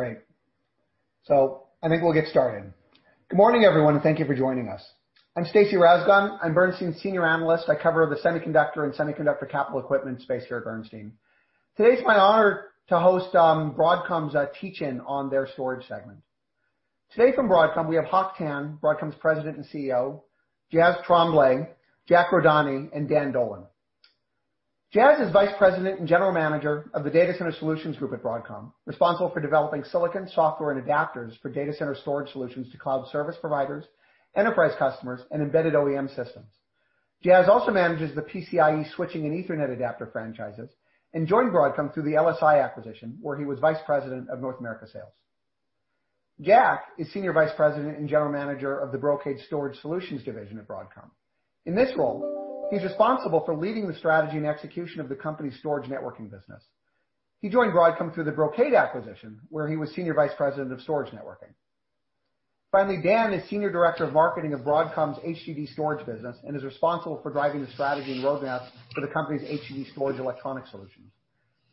Great. I think we'll get started. Good morning, everyone, and thank you for joining us. I'm Stacy Rasgon. I'm Bernstein's Senior Analyst. I cover the semiconductor and semiconductor capital equipment space here at Bernstein. Today, it's my honor to host Broadcom's teach-in on their storage segment. Today from Broadcom, we have Hock Tan, Broadcom's President and CEO, Jas Tremblay, Jack Rondoni, and Dan Dolan. Jas is Vice President and General Manager of the Data Center Solutions Group at Broadcom, responsible for developing silicon software and adapters for data center storage solutions to cloud service providers, enterprise customers, and embedded OEM systems. Jas also manages the PCIe switching and Ethernet adapter franchises and joined Broadcom through the LSI acquisition, where he was vice president of North America Sales. Jack is Senior Vice President and General Manager of the Brocade Storage Solutions Division at Broadcom. In this role, he's responsible for leading the strategy and execution of the company's storage networking business. He joined Broadcom through the Brocade acquisition, where he was senior vice president of storage networking. Finally, Dan is senior director of marketing of Broadcom's HDD storage business and is responsible for driving the strategy and roadmap for the company's HDD storage electronic solutions.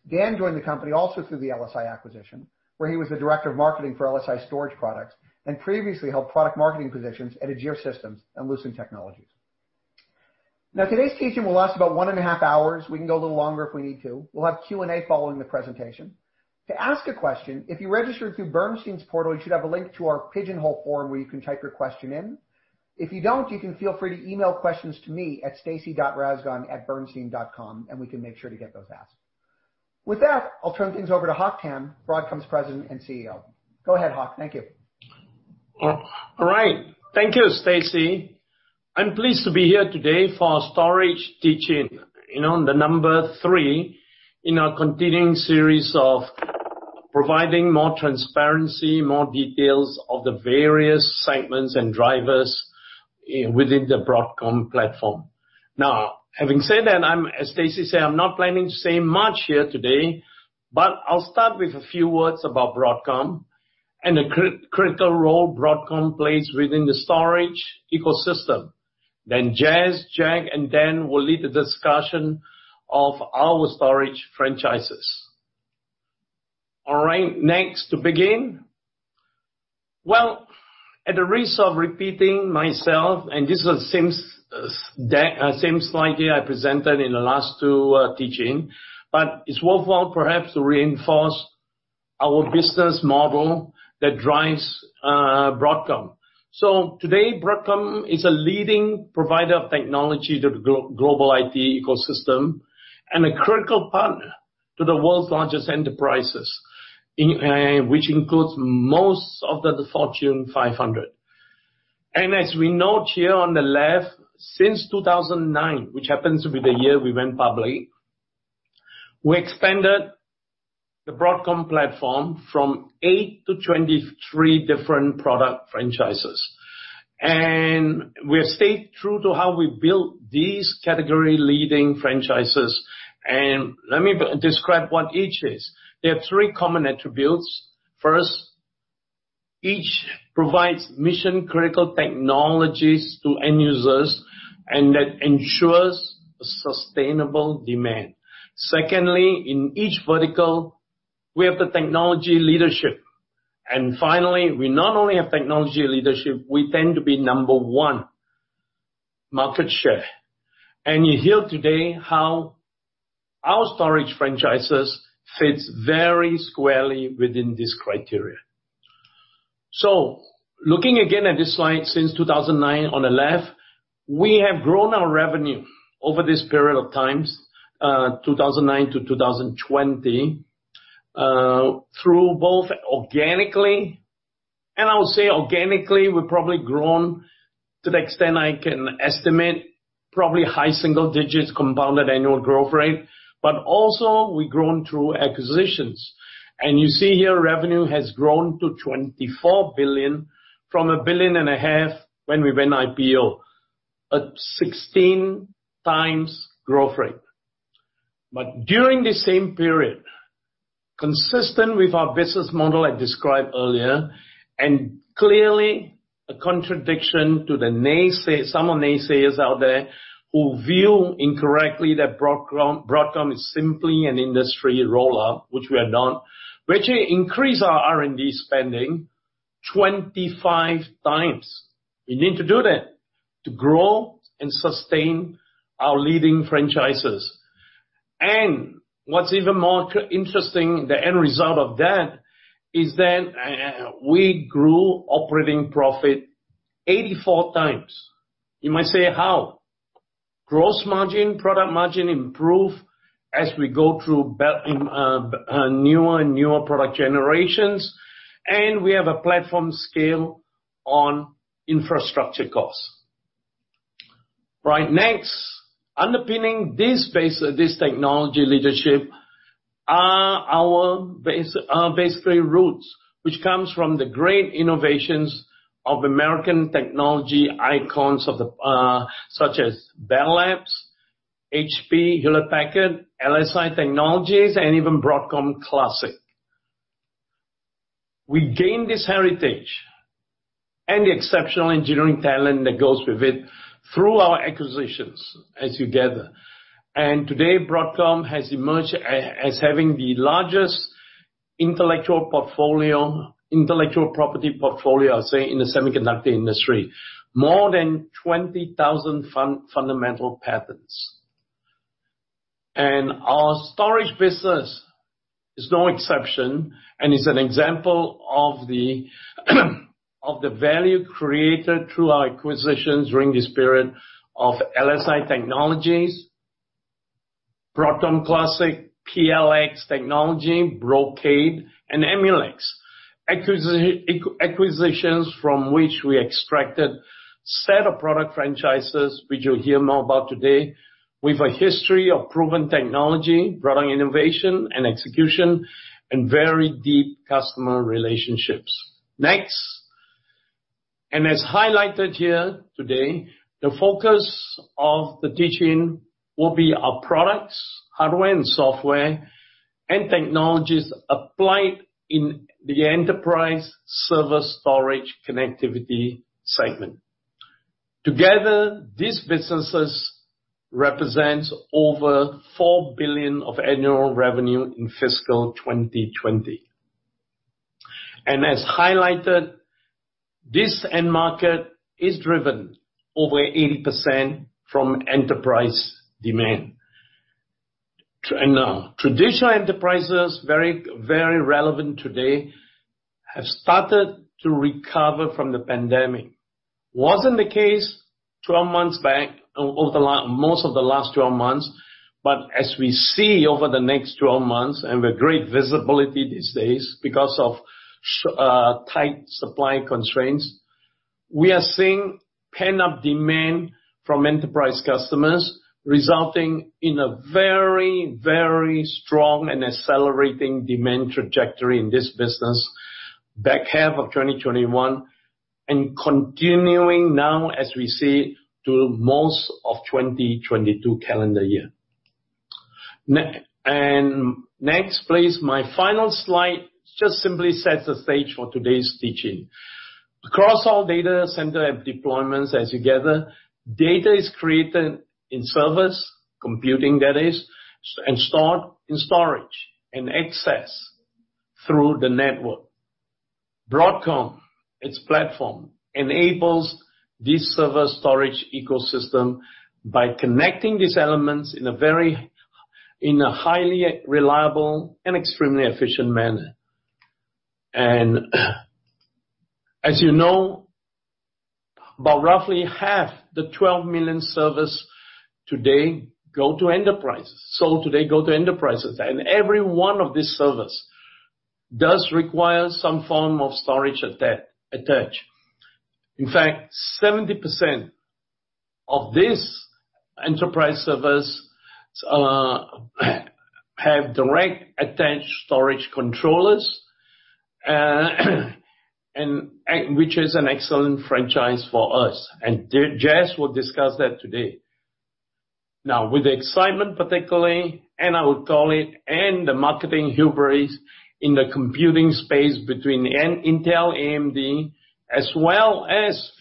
Dan joined the company also through the LSI acquisition, where he was the director of marketing for LSI storage products and previously held product marketing positions at Agere Systems and Lucent Technologies. Today's teach-in will last about one and a half hours. We can go a little longer if we need to. We'll have Q&A following the presentation. To ask a question, if you registered through Bernstein's portal, you should have a link to our Pigeonhole form where you can type your question in. If you don't, you can feel free to email questions to me at stacy.rasgon@bernstein.com. We can make sure to get those asked. With that, I'll turn things over to Hock Tan, Broadcom's President and CEO. Go ahead, Hock. Thank you. All right. Thank you, Stacy. I'm pleased to be here today for our storage teach-in, the number three in our continuing series of providing more transparency, more details of the various segments and drivers within the Broadcom platform. Having said that, as Stacy said, I'm not planning to say much here today, but I'll start with a few words about Broadcom and the critical role Broadcom plays within the storage ecosystem. Jas, Jack, and Dan will lead the discussion of our storage franchises. All right. Next to begin. Well, at the risk of repeating myself, and this is the same slide here I presented in the last two teach-in, but it's worthwhile perhaps to reinforce our business model that drives Broadcom. Today, Broadcom is a leading provider of technology to the global IT ecosystem and a critical partner to the world's largest enterprises, which includes most of the Fortune 500. As we note here on the left, since 2009, which happens to be the year we went public, we expanded the Broadcom platform from eight to 23 different product franchises. We have stayed true to how we built these category-leading franchises, and let me describe what each is. There are three common attributes. First, each provides mission-critical technologies to end users, and that ensures sustainable demand. Secondly, in each vertical, we have the technology leadership. Finally, we not only have technology leadership, we tend to be number one market share. You'll hear today how our storage franchises fits very squarely within this criteria. Looking again at this slide, since 2009 on the left, we have grown our revenue over this period of times, 2009 to 2020, through both organically, and I would say organically, we've probably grown to the extent I can estimate, probably high single digits compounded annual growth rate, but also we've grown through acquisitions. You see here revenue has grown to $24 billion from $1.5 billion when we went IPO, a 16x growth rate. During the same period, consistent with our business model I described earlier, and clearly a contradiction to some of the naysayers out there who view incorrectly that Broadcom is simply an industry roll-up, which we are not. We actually increased our R&D spending 25x. We need to do that to grow and sustain our leading franchises. What's even more interesting, the end result of that, is that we grew operating profit 84x. You might say, how? Gross margin, product margin improve as we go through newer and newer product generations, and we have a platform scale on infrastructure costs. Right. Underpinning this technology leadership are basically roots, which comes from the great innovations of American technology icons such as Bell Labs, HP, Hewlett-Packard, LSI Corporation, and even Broadcom Classic. We gained this heritage and the exceptional engineering talent that goes with it through our acquisitions as you gather. Today, Broadcom has emerged as having the largest intellectual property portfolio, say, in the semiconductor industry. More than 20,000 fundamental patents. Our storage business is no exception and is an example of the value created through our acquisitions during this period of LSI Corporation, Broadcom Classic, PLX Technology, Brocade, and Emulex. Acquisitions from which we extracted set of product franchises, which you'll hear more about today, with a history of proven technology, product innovation and execution, and very deep customer relationships. Next, as highlighted here today, the focus of the teach-in will be our products, hardware and software, and technologies applied in the enterprise server storage connectivity segment. Together, these businesses represent over $4 billion of annual revenue in fiscal 2020. As highlighted, this end market is driven over 80% from enterprise demand. Traditional enterprises, very relevant today, have started to recover from the pandemic. As we see over the next 12 months, and with great visibility these days because of tight supply constraints, we are seeing pent-up demand from enterprise customers resulting in a very, very strong and accelerating demand trajectory in this business back half of 2021 and continuing now as we see to most of 2022 calendar year. Next, please. My final slide just simply sets the stage for today's teach-in. Across our data center and deployments as you gather, data is created in servers, computing that is, and stored in storage and accessed through the network. Broadcom, its platform, enables this server storage ecosystem by connecting these elements in a highly reliable and extremely efficient manner. As you know, about roughly half the 12 million servers today go to enterprises, and every one of these servers does require some form of storage attached. In fact, 70% of these enterprise servers have direct attached storage controllers, which is an excellent franchise for us. Jas will discuss that today. With the excitement particularly, and I would call it, and the marketing hubris in the computing space between Intel, AMD, as well as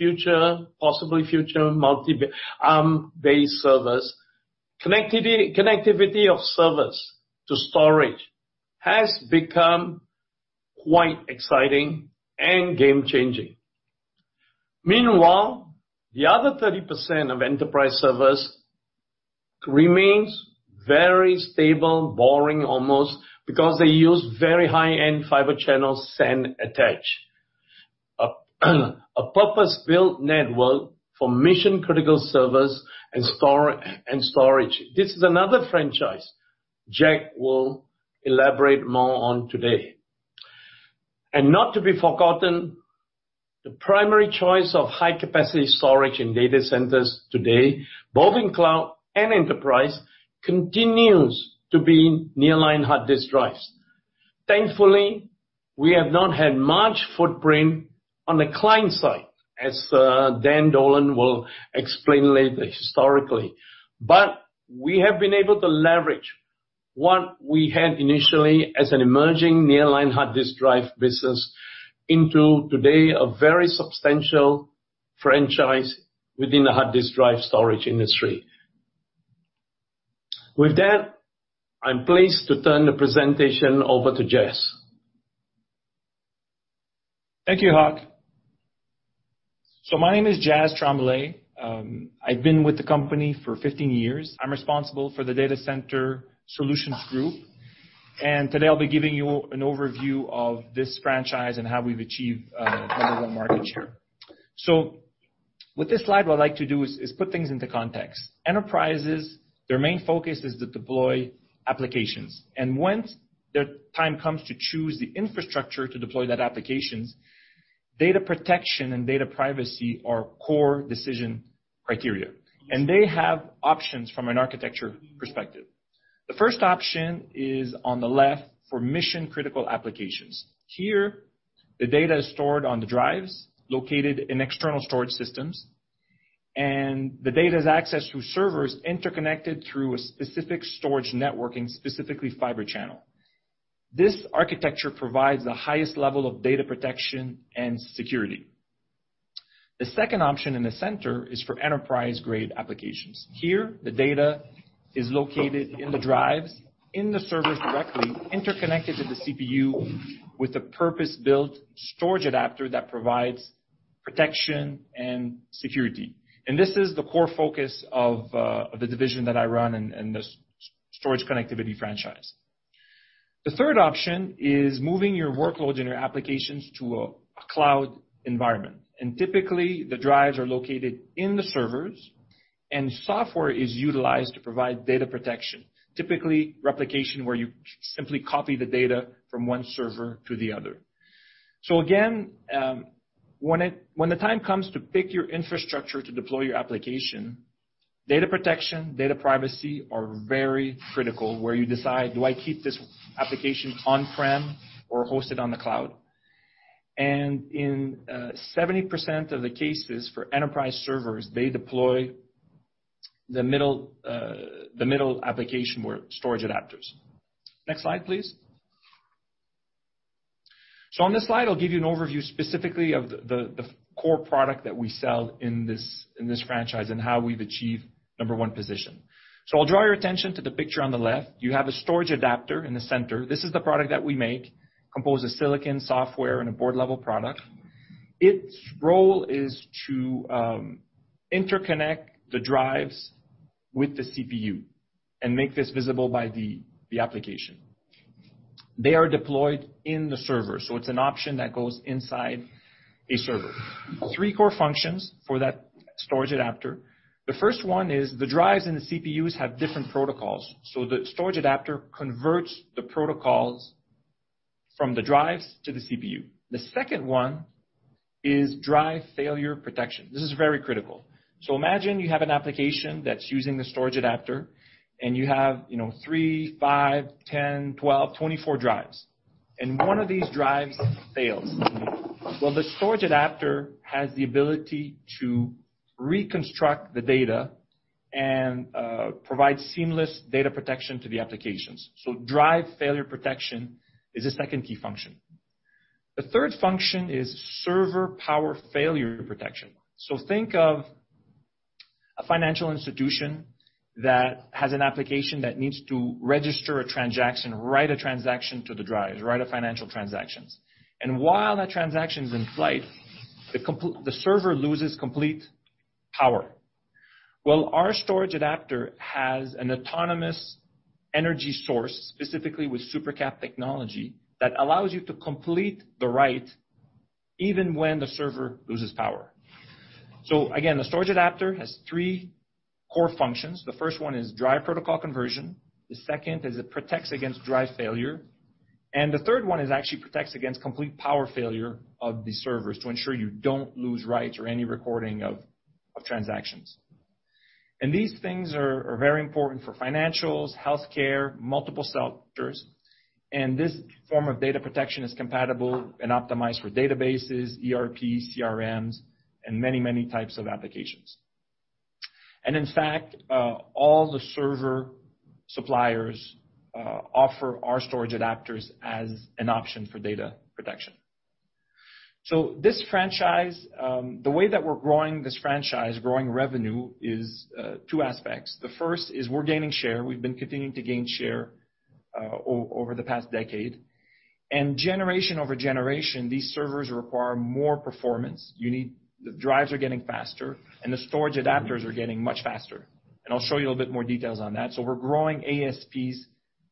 possibly future multi-ARM-based servers, connectivity of servers to storage has become quite exciting and game changing. Meanwhile, the other 30% of enterprise servers remains very stable, boring almost, because they use very high-end Fibre Channel SAN attach. A purpose-built network for mission-critical servers and storage. This is another franchise Jack will elaborate more on today. Not to be forgotten, the primary choice of high-capacity storage in data centers today, both in cloud and enterprise, continues to be nearline hard disk drives. Thankfully, we have not had much footprint on the client side, as Dan Dolan will explain later historically. We have been able to leverage what we had initially as an emerging nearline hard disk drive business into today a very substantial franchise within the hard disk drive storage industry. With that, I'm pleased to turn the presentation over to Jas. Thank you, Hock. My name is Jas Tremblay. I've been with the company for 15 years. I'm responsible for the Data Center Solutions Group. Today I'll be giving you an overview of this franchise and how we've achieved number one market share. With this slide, what I'd like to do is put things into context. Enterprises, their main focus is to deploy applications. Once their time comes to choose the infrastructure to deploy that applications, data protection and data privacy are core decision criteria. They have options from an architecture perspective. The first option is on the left for mission-critical applications. Here, the data is stored on the drives located in external storage systems, and the data is accessed through servers interconnected through a specific storage networking, specifically Fibre Channel. This architecture provides the highest level of data protection and security. The second option in the center is for enterprise-grade applications. Here, the data is located in the drives in the servers directly, interconnected to the CPU with a purpose-built storage adapter that provides protection and security. This is the core focus of the division that I run and the storage connectivity franchise. The third option is moving your workloads and your applications to a cloud environment, and typically, the drives are located in the servers, and software is utilized to provide data protection, typically replication where you simply copy the data from one server to the other. Again, when the time comes to pick your infrastructure to deploy your application, data protection, data privacy are very critical, where you decide, do I keep this application on-prem or host it on the cloud? In 70% of the cases for enterprise servers, they deploy the middle application where storage adapters. Next slide, please. On this slide, I'll give you an overview specifically of the core product that we sell in this franchise and how we've achieved number one position. I'll draw your attention to the picture on the left. You have a storage adapter in the center. This is the product that we make, composed of silicon software and a board-level product. Its role is to interconnect the drives with the CPU and make this visible by the application. They are deployed in the server, so it's an option that goes inside a server. Three core functions for that storage adapter. The first one is the drives and the CPUs have different protocols, so the storage adapter converts the protocols from the drives to the CPU. The second one is drive failure protection. This is very critical. Imagine you have an application that's using the storage adapter and you have three, five, 10, 12, 24 drives, and one of these drives fails. Well, the storage adapter has the ability to reconstruct the data and provide seamless data protection to the applications. Drive failure protection is the second key function. The third function is server power failure protection. Think of a financial institution that has an application that needs to register a transaction, write a transaction to the drives, write financial transactions. While that transaction is in flight, the server loses complete power. Well, our storage adapter has an autonomous energy source, specifically with supercap technology, that allows you to complete the write even when the server loses power. Again, the storage adapter has three core functions. The first one is drive protocol conversion, the second is it protects against drive failure, and the third one is actually protects against complete power failure of the servers to ensure you don't lose writes or any recording of transactions. These things are very important for financials, healthcare, multiple sectors. This form of data protection is compatible and optimized for databases, ERPs, CRMs, and many types of applications. In fact, all the server suppliers offer our storage adapters as an option for data protection. The way that we're growing this franchise, growing revenue, is two aspects. The first is we're gaining share. We've been continuing to gain share over the past decade. Generation over generation, these servers require more performance. The drives are getting faster, and the storage adapters are getting much faster. I'll show you a little bit more details on that. We're growing ASPs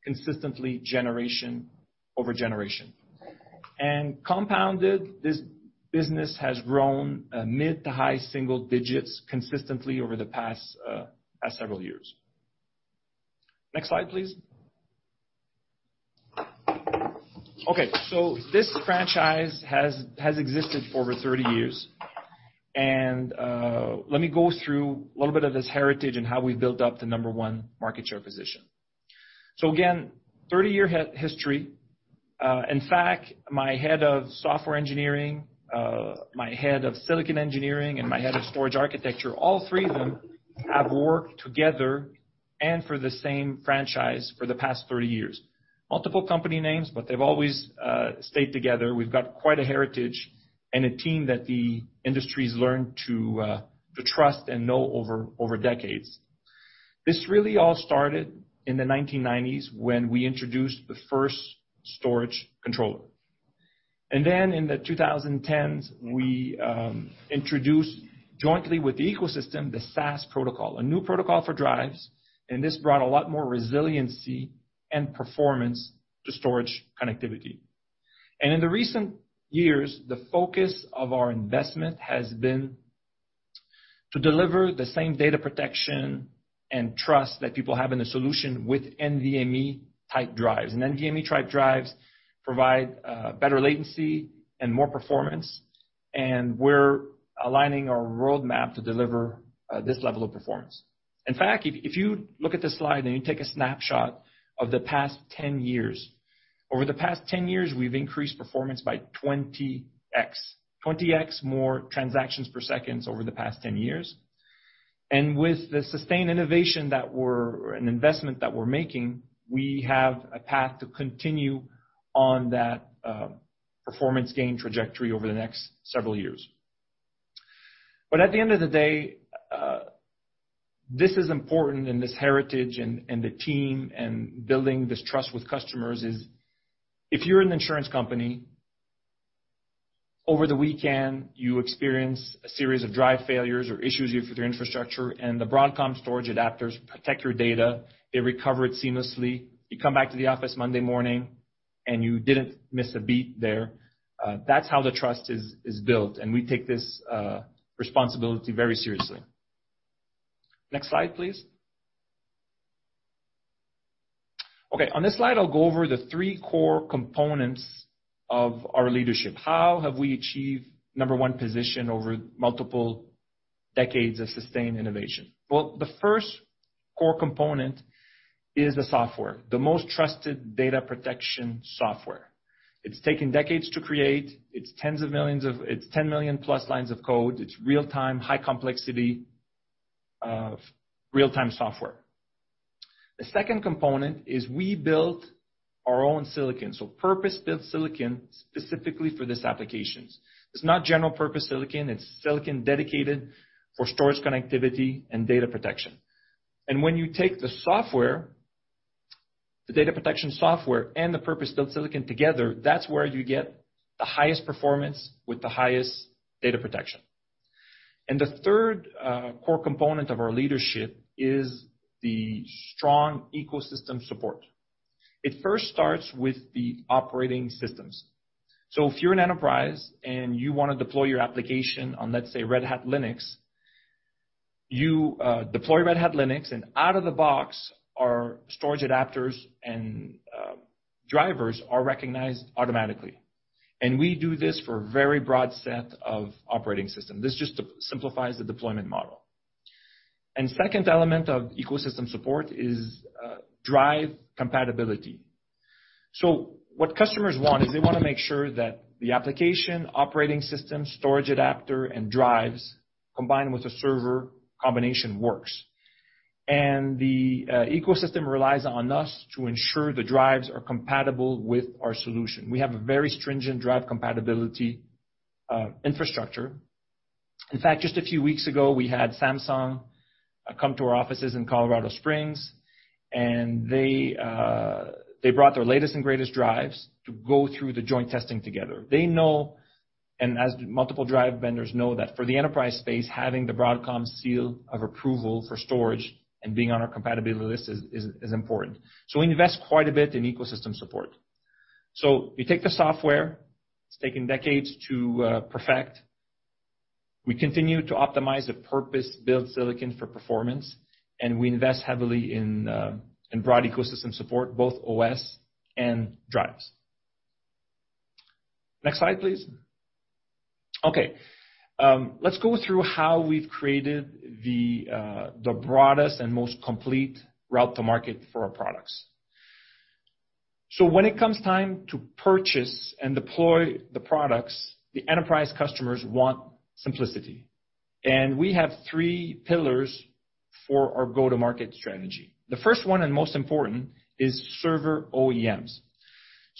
consistently generation over generation. Compounded, this business has grown mid to high single digits consistently over the past several years. Next slide, please. Okay, this franchise has existed for over 30 years. Let me go through a little bit of this heritage and how we built up the number one market share position. Again, 30-year history. In fact, my head of software engineering, my head of silicon engineering, and my head of storage architecture, all three of them have worked together and for the same franchise for the past 30 years. Multiple company names, but they've always stayed together. We've got quite a heritage and a team that the industry's learned to trust and know over decades. This really all started in the 1990s when we introduced the first storage controller. In the 2010s, we introduced jointly with the ecosystem, the SAS protocol, a new protocol for drives, and this brought a lot more resiliency and performance to storage connectivity. In the recent years, the focus of our investment has been to deliver the same data protection and trust that people have in the solution with NVMe-type drives. NVMe-type drives provide better latency and more performance, and we're aligning our roadmap to deliver this level of performance. In fact, if you look at this slide and you take a snapshot of the past 10 years, over the past 10 years, we've increased performance by 20x. 20x more transactions per second over the past 10 years. With the sustained innovation and investment that we're making, we have a path to continue on that performance gain trajectory over the next several years. At the end of the day, this is important in this heritage, and the team, and building this trust with customers is if you're an insurance company, over the weekend, you experience a series of drive failures or issues with your infrastructure, and the Broadcom storage adapters protect your data, they recover it seamlessly. You come back to the office Monday morning, and you didn't miss a beat there. That's how the trust is built, and we take this responsibility very seriously. Next slide, please. Okay, on this slide, I'll go over the three core components of our leadership. How have we achieved number one position over multiple decades of sustained innovation? Well, the first core component is the software, the most trusted data protection software. It's taken decades to create. It's 10 million+ lines of code. It's real-time, high complexity real-time software. The second component is we built our own silicon. Purpose-built silicon specifically for these applications. It's not general purpose silicon. It's silicon dedicated for storage connectivity and data protection. When you take the software, the data protection software, and the purpose-built silicon together, that's where you get the highest performance with the highest data protection. The third core component of our leadership is the strong ecosystem support. It first starts with the operating systems. If you're an enterprise and you want to deploy your application on, let's say, Red Hat Linux, you deploy Red Hat Linux, and out of the box, our storage adapters and drivers are recognized automatically. We do this for a very broad set of operating systems. This just simplifies the deployment model. Second element of ecosystem support is drive compatibility. What customers want is they want to make sure that the application, operating system, storage adapter, and drives combined with a server combination works. The ecosystem relies on us to ensure the drives are compatible with our solution. We have a very stringent drive compatibility infrastructure. In fact, just a few weeks ago, we had Samsung come to our offices in Colorado Springs, and they brought their latest and greatest drives to go through the joint testing together. They know, and as multiple drive vendors know, that for the enterprise space, having the Broadcom seal of approval for storage and being on our compatibility list is important. We invest quite a bit in ecosystem support. We take the software. It's taken decades to perfect. We continue to optimize the purpose-built silicon for performance, and we invest heavily in broad ecosystem support, both OS and drives. Next slide, please. Okay. Let's go through how we've created the broadest and most complete route to market for our products. When it comes time to purchase and deploy the products, the enterprise customers want simplicity. We have three pillars for our go-to-market strategy. The first one, and most important, is server OEMs.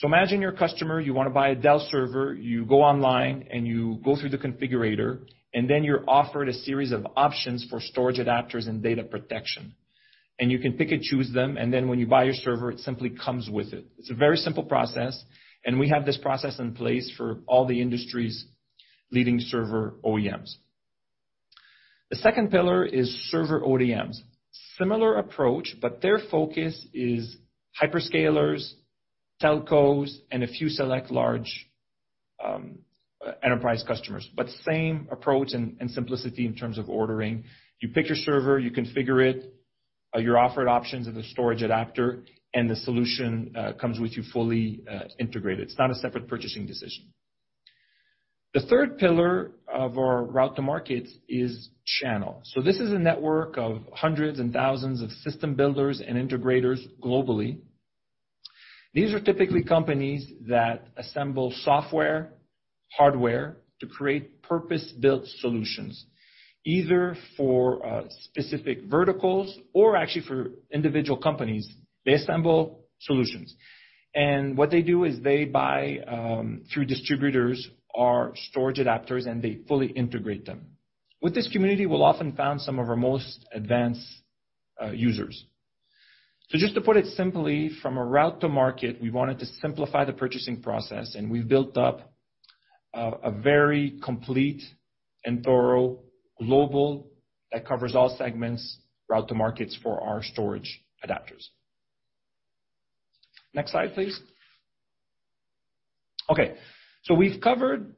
Imagine you're a customer. You want to buy a Dell server. You go online and you go through the configurator, and then you're offered a series of options for storage adapters and data protection. And you can pick and choose them, and then when you buy your server, it simply comes with it. It's a very simple process, and we have this process in place for all the industry's leading server OEMs. The second pillar is server ODMs. Similar approach, their focus is hyperscalers, telcos, and a few select large enterprise customers. Same approach and simplicity in terms of ordering. You pick your server, you configure it, you're offered options of the storage adapter, and the solution comes with you fully integrated. It's not a separate purchasing decision. The third pillar of our route to market is channel. This is a network of hundreds and thousands of system builders and integrators globally. These are typically companies that assemble software, hardware to create purpose-built solutions, either for specific verticals or actually for individual companies. They assemble solutions. What they do is they buy through distributors our storage adapters, and they fully integrate them. With this community, we'll often found some of our most advanced users. Just to put it simply, from a route to market, we wanted to simplify the purchasing process, and we've built up a very complete and thorough global that covers all segments route to markets for our storage adapters. Next slide, please. We've covered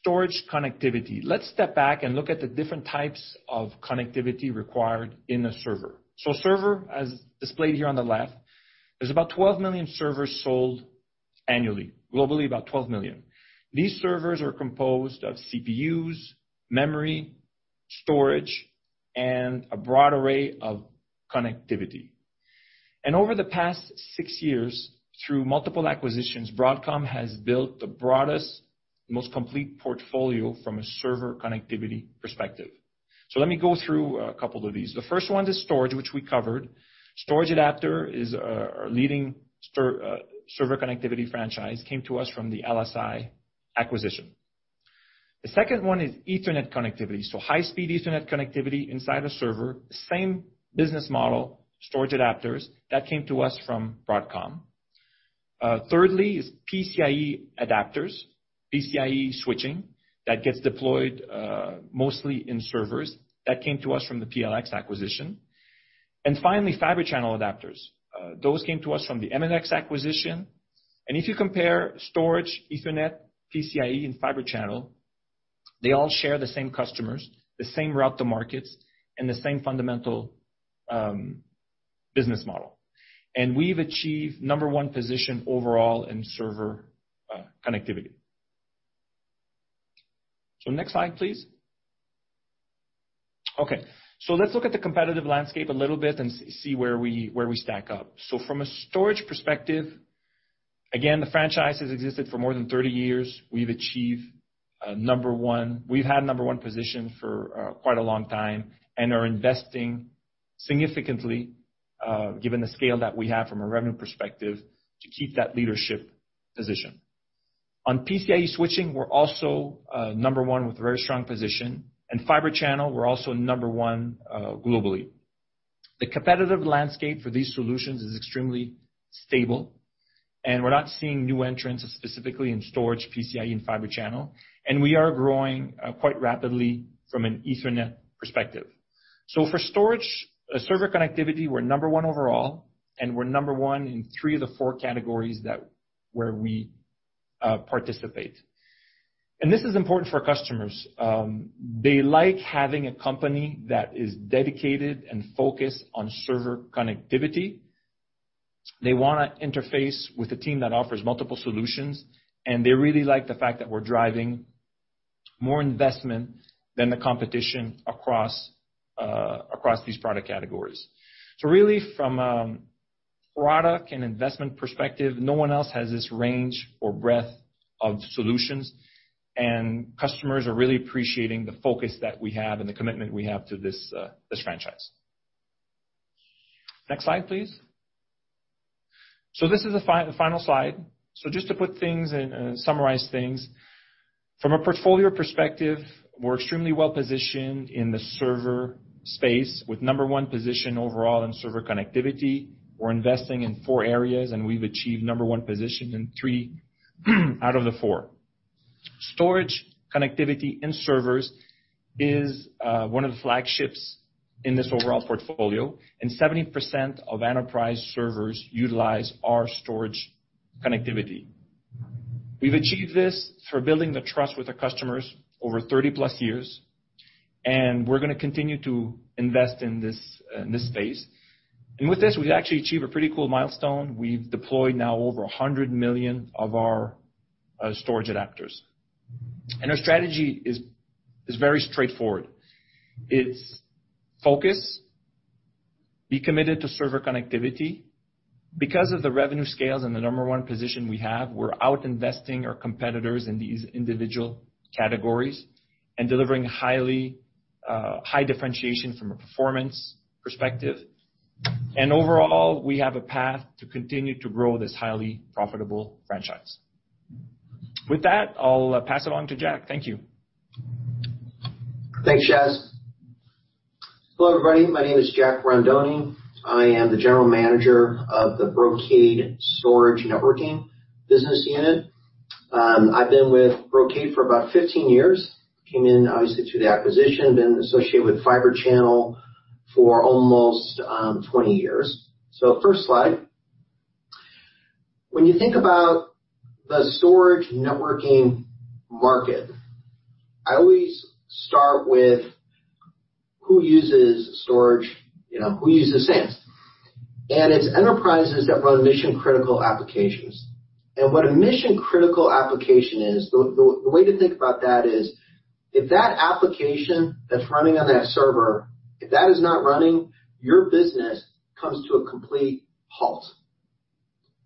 storage connectivity. Let's step back and look at the different types of connectivity required in a server. Server, as displayed here on the left, there's about 12 million servers sold annually, globally, about 12 million. These servers are composed of CPUs, memory, storage, and a broad array of connectivity. Over the past six years, through multiple acquisitions, Broadcom has built the broadest, most complete portfolio from a server connectivity perspective. Let me go through a couple of these. The first one is storage, which we covered. Storage adapter is our leading server connectivity franchise, came to us from the LSI acquisition. The second one is Ethernet connectivity. High-speed Ethernet connectivity inside a server, the same business model, storage adapters. That came to us from Broadcom. Thirdly is PCIe adapters, PCIe switching that gets deployed mostly in servers. That came to us from the PLX acquisition. Finally, Fibre Channel adapters. Those came to us from the Emulex acquisition. If you compare storage, Ethernet, PCIe, and Fibre Channel, they all share the same customers, the same route to markets, and the same fundamental business model. We've achieved number one position overall in server connectivity. Next slide, please. Let's look at the competitive landscape a little bit and see where we stack up. From a storage perspective, again, the franchise has existed for more than 30 years. We've achieved number one. We've had number one position for quite a long time and are investing significantly, given the scale that we have from a revenue perspective, to keep that leadership position. On PCIe switching, we're also number one with a very strong position. In Fibre Channel, we're also number one globally. The competitive landscape for these solutions is extremely stable, and we're not seeing new entrants, specifically in storage, PCIe, and Fibre Channel, and we are growing quite rapidly from an Ethernet perspective. For storage server connectivity, we're number one overall, and we're number one in three of the four categories where we participate. This is important for customers. They like having a company that is dedicated and focused on server connectivity. They want to interface with a team that offers multiple solutions. They really like the fact that we're driving more investment than the competition across these product categories. Really from a product and investment perspective, no one else has this range or breadth of solutions, and customers are really appreciating the focus that we have and the commitment we have to this franchise. Next slide, please. This is the final slide. Just to put things and summarize things. From a portfolio perspective, we're extremely well-positioned in the server space with number one position overall in server connectivity. We're investing in four areas, and we've achieved number one position in three out of the four. Storage connectivity in servers is one of the flagships in this overall portfolio, and 70% of enterprise servers utilize our storage connectivity. We've achieved this through building the trust with our customers over 30+ years, and we're going to continue to invest in this space. With this, we've actually achieved a pretty cool milestone. We've deployed now over 100 million of our storage adapters. Our strategy is very straightforward. It's focus, be committed to server connectivity. Because of the revenue scales and the number one position we have, we're outinvesting our competitors in these individual categories and delivering high differentiation from a performance perspective. Overall, we have a path to continue to grow this highly profitable franchise. With that, I'll pass it on to Jack. Thank you. Thanks, Jas. Hello, everybody. My name is Jack Rondoni. I am the General Manager of the Brocade Storage Networking business unit. I've been with Brocade for about 15 years. Came in, obviously, through the acquisition, been associated with Fibre Channel for almost 20 years. First slide. When you think about the storage networking market, I always start with who uses storage, who uses SANs? It's enterprises that run mission-critical applications. What a mission-critical application is, the way to think about that is, if that application that's running on that server, if that is not running, your business comes to a complete halt.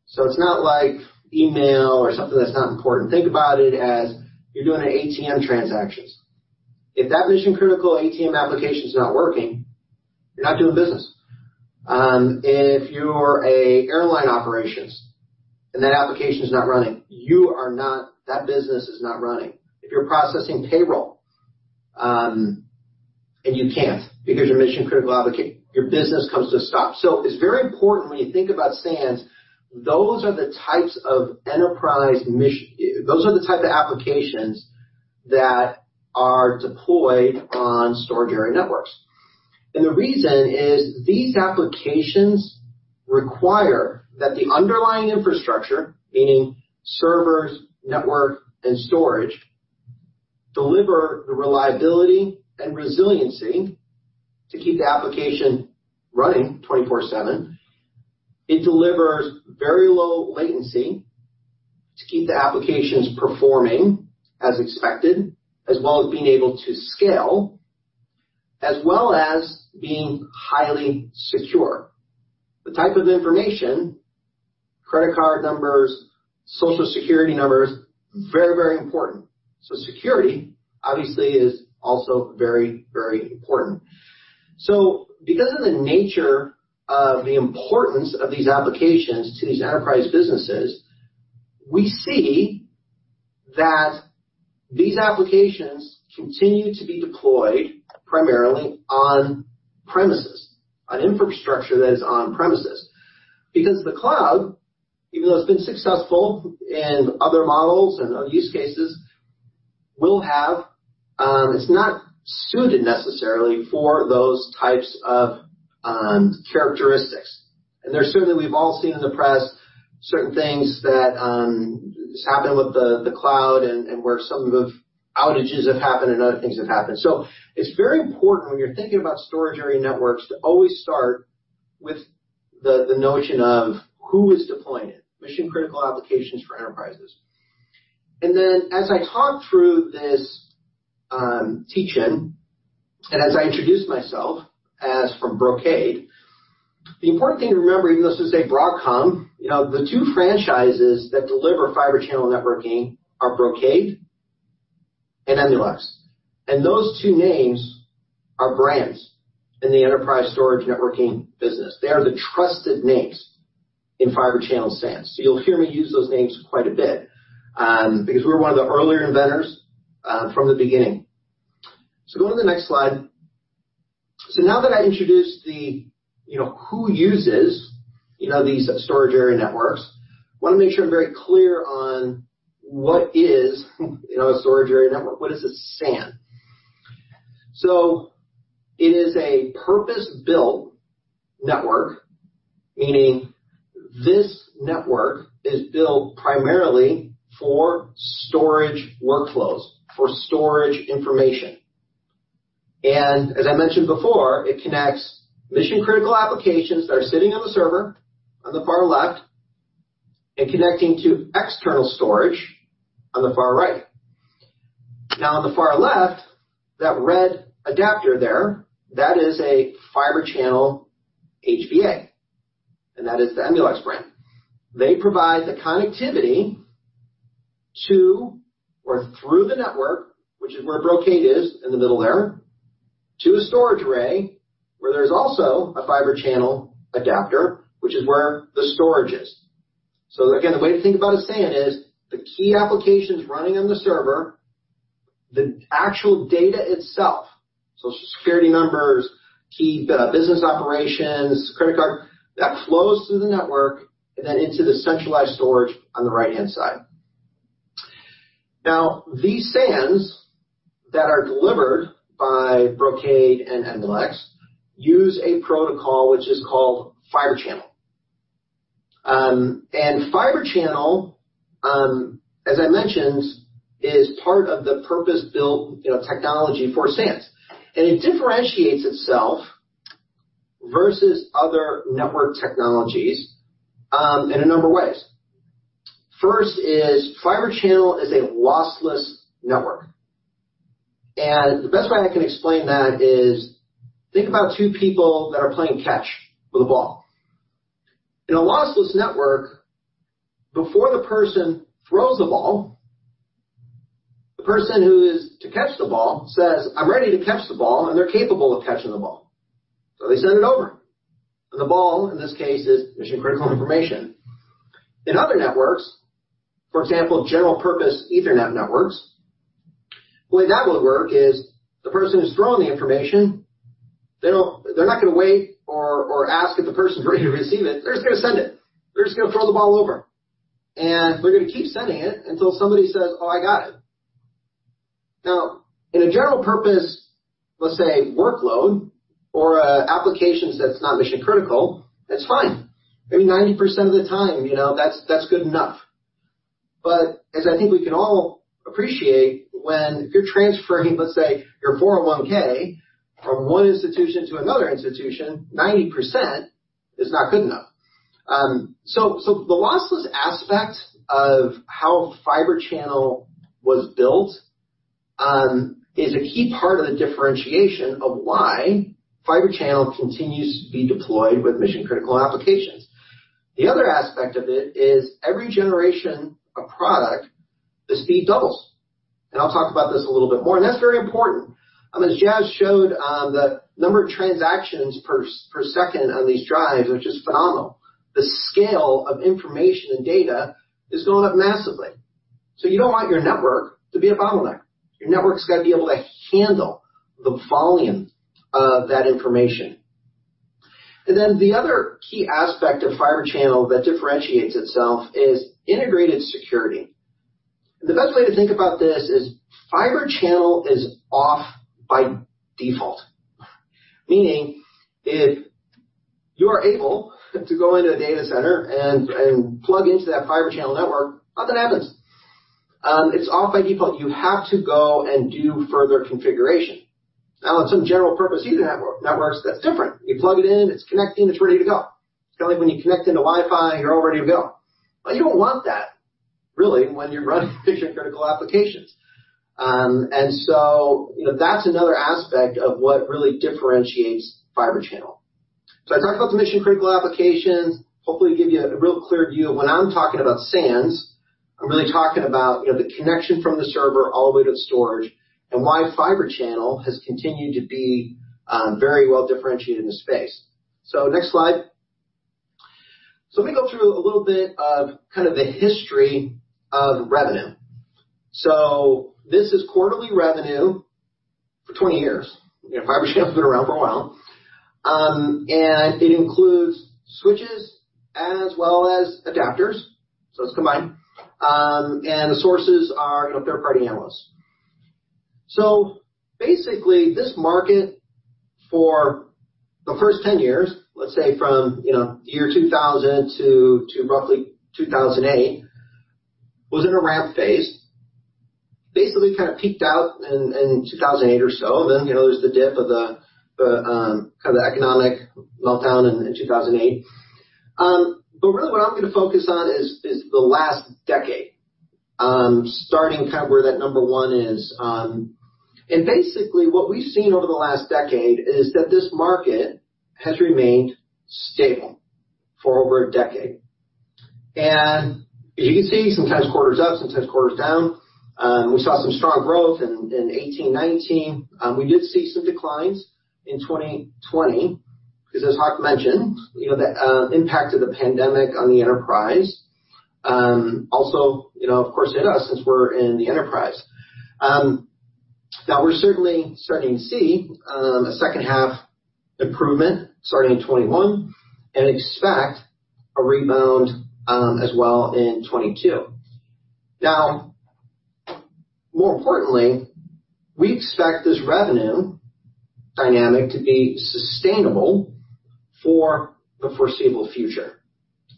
It's not like email or something that's not important. Think about it as you're doing an ATM transaction. If that mission-critical ATM application is not working, you're not doing business. If you're a airline operations and that application is not running, that business is not running. If you're processing payroll, and you can't because your mission-critical application, your business comes to a stop. It's very important when you think about SANs, those are the types of applications that are deployed on storage area networks. The reason is these applications require that the underlying infrastructure, meaning servers, network, and storage, deliver the reliability and resiliency to keep the application running 24/7. It delivers very low latency to keep the applications performing as expected, as well as being able to scale, as well as being highly secure. The type of information, credit card numbers, social security numbers, very, very important. Security, obviously, is also very, very important. Because of the nature of the importance of these applications to these enterprise businesses, we see that these applications continue to be deployed primarily on-premises, on infrastructure that is on-premises. Because the cloud, even though it's been successful in other models and other use cases, it's not suited necessarily for those types of characteristics. Certainly we've all seen in the press certain things that has happened with the cloud and where some of outages have happened and other things have happened. It's very important when you're thinking about storage area networks to always start with the notion of who is deploying it, mission-critical applications for enterprises. As I talk through this teach-in, as I introduce myself as from Brocade, the important thing to remember, even though it's Broadcom, the two franchises that deliver Fibre Channel networking are Brocade and Emulex. Those two names are brands in the enterprise storage networking business. They are the trusted names in Fibre Channel SAN. You'll hear me use those names quite a bit, because we're one of the earlier inventors from the beginning. Go on to the next slide. Now that I introduced who uses these storage area networks, want to make sure I'm very clear on what is a storage area network, what is a SAN? It is a purpose-built network, meaning this network is built primarily for storage workflows, for storage information. As I mentioned before, it connects mission-critical applications that are sitting on the server on the far left and connecting to external storage on the far right. On the far left, that red adapter there, that is a Fibre Channel HBA, and that is the Emulex brand. They provide the connectivity to or through the network, which is where Brocade is in the middle there, to a storage array, where there's also a Fibre Channel adapter, which is where the storage is. Again, the way to think about a SAN is the key applications running on the server, the actual data itself, social security numbers, key business operations, credit card, that flows through the network and then into the centralized storage on the right-hand side. These SANs that are delivered by Brocade and Emulex use a protocol which is called Fibre Channel. Fibre Channel, as I mentioned, is part of the purpose-built technology for SANs. It differentiates itself versus other network technologies in a number of ways. First is Fibre Channel is a lossless network. The best way I can explain that is think about two people that are playing catch with a ball. In a lossless network, before the person throws the ball, the person who is to catch the ball says, "I'm ready to catch the ball," and they're capable of catching the ball. They send it over. The ball, in this case, is mission-critical information. In other networks, for example, general purpose Ethernet networks, the way that would work is the person who's throwing the information, they're not going to wait or ask if the person's ready to receive it. They're just going to send it. They're just going to throw the ball over. They're going to keep sending it until somebody says, "Oh, I got it." Now, in a general purpose, let's say, workload or applications that's not mission-critical, that's fine. Maybe 90% of the time, that's good enough. As I think we can all appreciate, when you're transferring, let's say, your 401 from one institution to another institution, 90% is not good enough. The lossless aspect of how Fibre Channel was built is a key part of the differentiation of why Fibre Channel continues to be deployed with mission-critical applications. The other aspect of it is every generation of product, the speed doubles. I'll talk about this a little bit more, and that's very important. As Jas showed, the number of transactions per second on these drives are just phenomenal. The scale of information and data is going up massively. You don't want your network to be a bottleneck. Your network's got to be able to handle the volume of that information. The other key aspect of Fibre Channel that differentiates itself is integrated security. The best way to think about this is Fibre Channel is off by default, meaning if you are able to go into a data center and plug into that Fibre Channel network, nothing happens. It's off by default. You have to go and do further configuration. Now, on some general purpose Ethernet networks, that's different. You plug it in, it's connecting, it's ready to go. It's kind of like when you connect into Wi-Fi, you're all ready to go. You don't want that, really, when you're running mission-critical applications. That's another aspect of what really differentiates Fibre Channel. I talked about the mission-critical applications, hopefully give you a real clear view of when I'm talking about SANs, I'm really talking about the connection from the server all the way to the storage and why Fibre Channel has continued to be very well-differentiated in the space. Next slide. Let me go through a little bit of kind of the history of revenue. This is quarterly revenue for 20 years. Fibre Channel's been around for a while. It includes switches as well as adapters, so it's combined. The sources are third-party analysts. Basically, this market for the first 10 years, let's say from year 2000 to roughly 2008, was in a ramp phase. Basically kind of peaked out in 2008 or so, and then, there's the dip of the economic meltdown in 2008. Really what I'm going to focus on is the last decade, starting kind of where that number one is. Basically, what we've seen over the last decade is that this market has remained stable for over a decade. As you can see, sometimes quarter's up, sometimes quarter's down. We saw some strong growth in 2018, 2019. We did see some declines in 2020, because as Hock mentioned, the impact of the pandemic on the enterprise. Also, of course, in us since we're in the enterprise. We're certainly starting to see a second half improvement starting in 2021, and expect a rebound, as well in 2022. More importantly, we expect this revenue dynamic to be sustainable for the foreseeable future.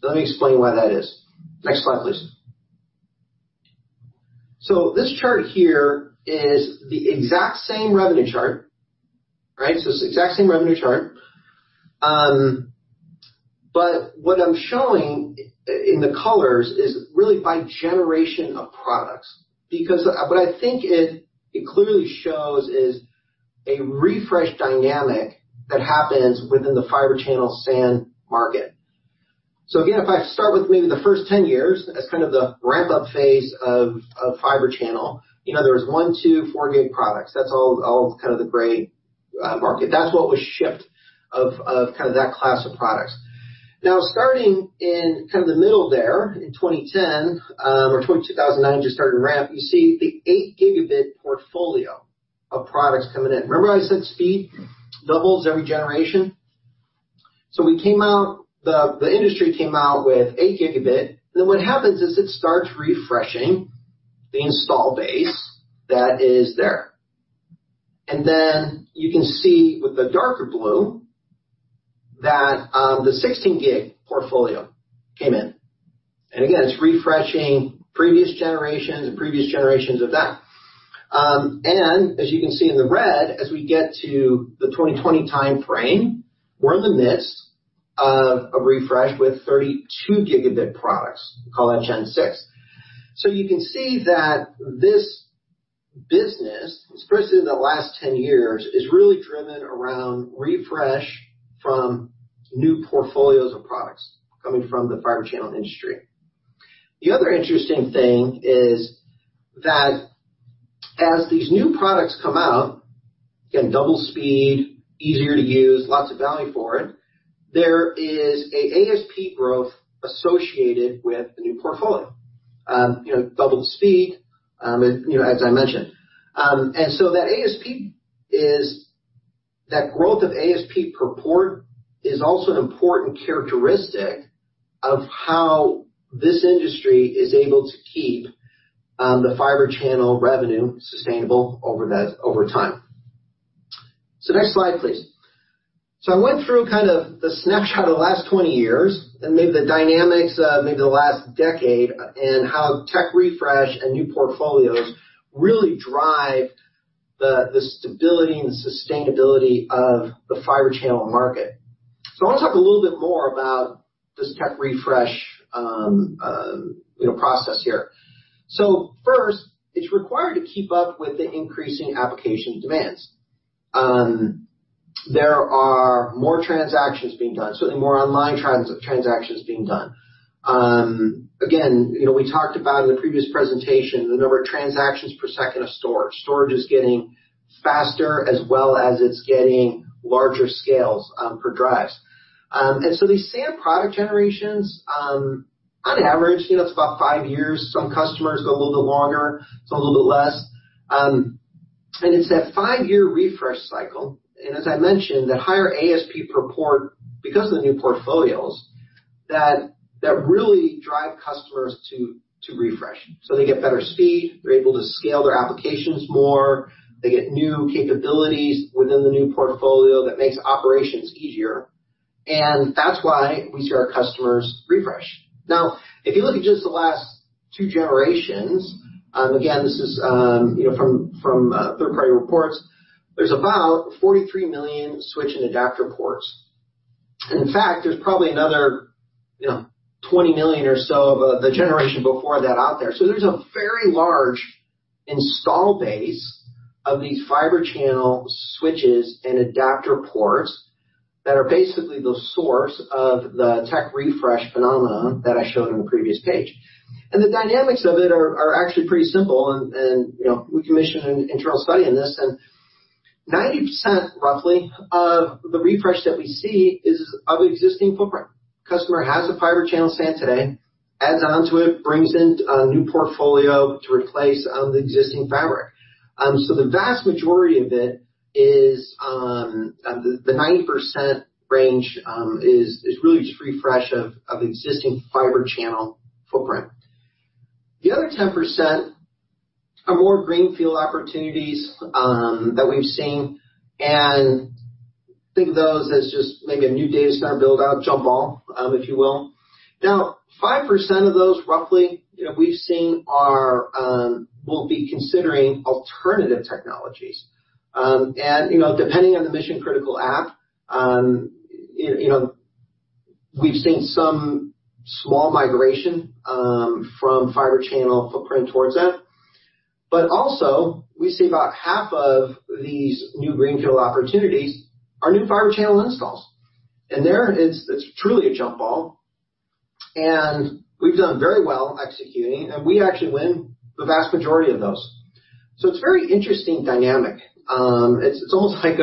Let me explain why that is. Next slide, please. This chart here is the exact same revenue chart, right? It's the exact same revenue chart. What I'm showing in the colors is really by generation of products. What I think it clearly shows is a refresh dynamic that happens within the Fibre Channel SAN market. Again, if I start with maybe the first 10 years as kind of the ramp-up phase of Fibre Channel, there was 1 Gb, 2 Gb, 4 Gb products. That's all kind of the gray market. That's what was shipped of that class of products. Starting in the middle there in 2010, or 2009, just starting to ramp, you see the 8 Gb portfolio of products coming in. Remember I said speed doubles every generation? We came out, the industry came out with 8 Gb, what happens is it starts refreshing the install base that is there. Then you can see with the darker blue that the 16 Gb portfolio came in. Again, it's refreshing previous generations and previous generations of that. As you can see in the red, as we get to the 2020 time frame, we're in the midst of a refresh with 32 Gb products. We call that Gen 6. You can see that this business, especially in the last 10 years, is really driven around refresh from new portfolios of products coming from the Fibre Channel industry. The other interesting thing is that as these new products come out, again, double speed, easier to use, lots of value for it, there is a ASP growth associated with the new portfolio. Doubled speed, as I mentioned. That ASP is, that growth of ASP per port is also an important characteristic of how this industry is able to keep the Fibre Channel revenue sustainable over time. Next slide, please. I went through kind of the snapshot of the last 20 years and maybe the dynamics of maybe the last decade and how tech refresh and new portfolios really drive the stability and the sustainability of the Fibre Channel market. I want to talk a little bit more about this tech refresh process here. First, it's required to keep up with the increasing application demands. There are more transactions being done, certainly more online transactions being done. Again, we talked about in the previous presentation, the number of transactions per second of storage. Storage is getting faster as well as it's getting larger scales per drives. These SAN product generations, on average, it's about five years. Some customers go a little bit longer, some a little bit less. It's that five-year refresh cycle, and as I mentioned, the higher ASP per port because of the new portfolios that really drive customers to refresh. They get better speed, they're able to scale their applications more. They get new capabilities within the new portfolio that makes operations easier. That's why we see our customers refresh. Now, if you look at just the last two generations, again, this is from third-party reports, there's about 43 million switch and adapter ports. In fact, there's probably another 20 million or so of the generation before that out there. There's a very large install base of these Fibre Channel switches and adapter ports that are basically the source of the tech refresh phenomenon that I showed on the previous page. The dynamics of it are actually pretty simple, and we commissioned an internal study on this. 90%, roughly, of the refresh that we see is of existing footprint. Customer has a Fibre Channel SAN today, adds onto it, brings in a new portfolio to replace the existing fabric. The vast majority of it is, the 90% range, is really just refresh of existing Fibre Channel footprint. The other 10% are more greenfield opportunities that we've seen, and think of those as just maybe a new data center build-out jump ball, if you will. Now, 5% of those, roughly, we've seen will be considering alternative technologies. Depending on the mission-critical app, we've seen some small migration from Fibre Channel footprint towards that. Also, we see about half of these new greenfield opportunities are new Fibre Channel installs. There, it's truly a jump ball, and we've done very well executing, and we actually win the vast majority of those. It's very interesting dynamic. It's almost like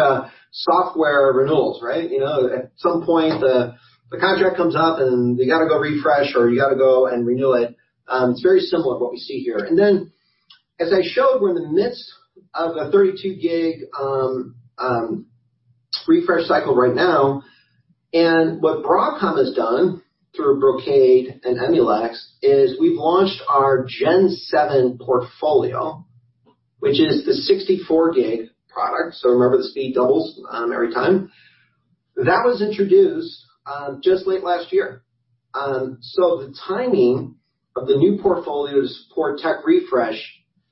software renewals, right? At some point, the contract comes up, and you got to go refresh, or you got to go and renew it. It's very similar what we see here. Then, as I showed, we're in the midst of a 32 Gb refresh cycle right now. What Broadcom has done through Brocade and Emulex is we've launched our Gen 7 portfolio, which is the 64 Gb product. Remember, the speed doubles every time. That was introduced just late last year. The timing of the new portfolios for tech refresh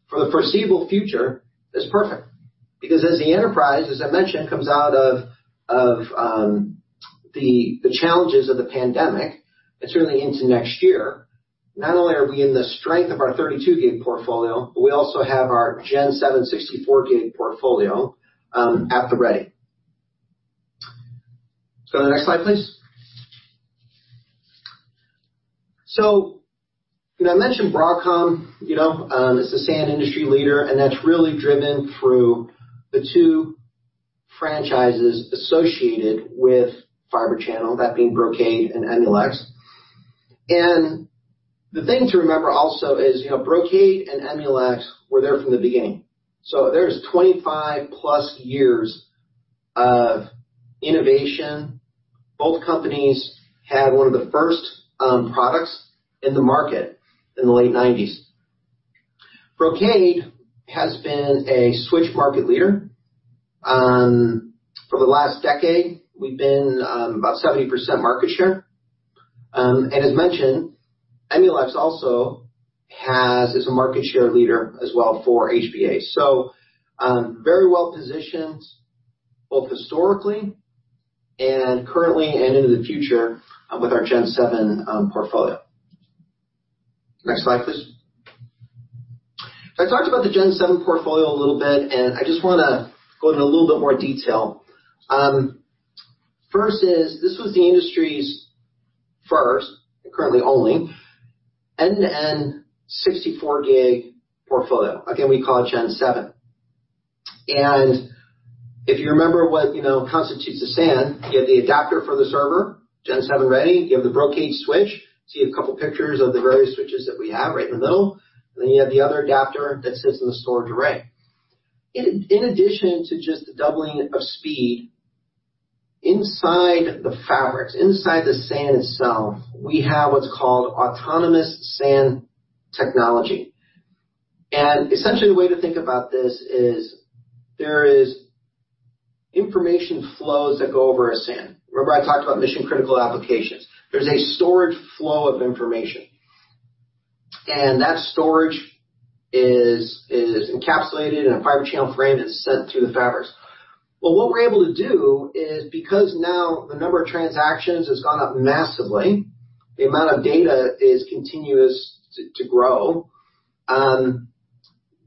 for the foreseeable future is perfect because as the enterprise, as I mentioned, comes out of the challenges of the pandemic and certainly into next year, not only are we in the strength of our 32 Gb portfolio, but we also have our Gen 7 64 Gb portfolio at the ready. Go to the next slide, please. I mentioned Broadcom. It's the SAN industry leader, and that's really driven through the two franchises associated with Fibre Channel, that being Brocade and Emulex. The thing to remember also is Brocade and Emulex were there from the beginning. There's 25+ years of innovation. Both companies had one of the first products in the market in the late nineties. Brocade has been a switch market leader. For the last decade, we've been about 70% market share. As mentioned, Emulex also is a market share leader as well for HBA. Very well-positioned both historically and currently and into the future with our Gen 7 portfolio. Next slide, please. I talked about the Gen 7 portfolio a little bit, and I just want to go into a little bit more detail. First is, this was the industry's first, and currently only, end-to-end 64 Gb portfolio. Again, we call it Gen 7. If you remember what constitutes a SAN, you have the adapter for the server, Gen 7 ready, you have the Brocade switch. See a couple pictures of the various switches that we have right in the middle, and then you have the other adapter that sits in the storage array. In addition to just the doubling of speed, inside the fabrics, inside the SAN itself, we have what's called Autonomous SAN technology. Essentially, the way to think about this is there is information flows that go over a SAN. Remember I talked about mission-critical applications. There's a storage flow of information, and that storage is encapsulated in a Fibre Channel frame and sent through the fabrics. What we're able to do is because now the number of transactions has gone up massively, the amount of data is continuous to grow,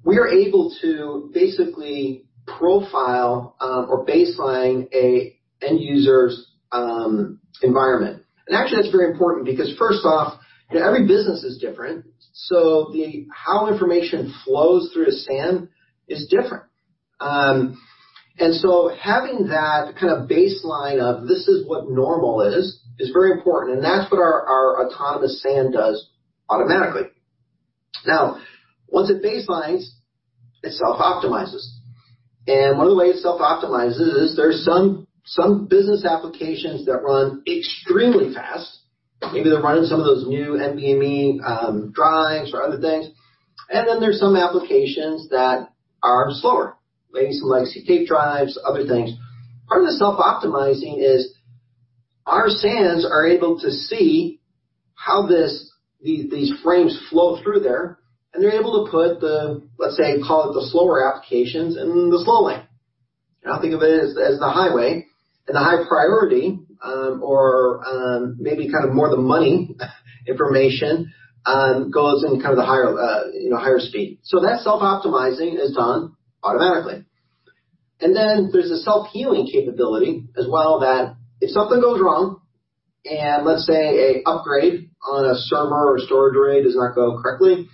we are able to basically profile or baseline a end user's environment. Actually, that's very important because first off, every business is different. So how information flows through a SAN is different. So having that baseline of this is what normal is very important, and that's what our Autonomous SAN does automatically. Once it baselines, it self-optimizes. One of the ways it self-optimizes is there's some business applications that run extremely fast. Maybe they're running some of those new NVMe drives or other things. There's some applications that are slower, maybe some legacy tape drives, other things. Part of the self-optimizing is our SANs are able to see how these frames flow through there, and they're able to put the, let's say, call it the slower applications in the slow lane. Think of it as the highway and the high priority, or maybe more the money information, goes in the higher speed. That self-optimizing is done automatically. There's a self-healing capability as well, that if something goes wrong, and let's say an upgrade on a server or storage array does not go correctly.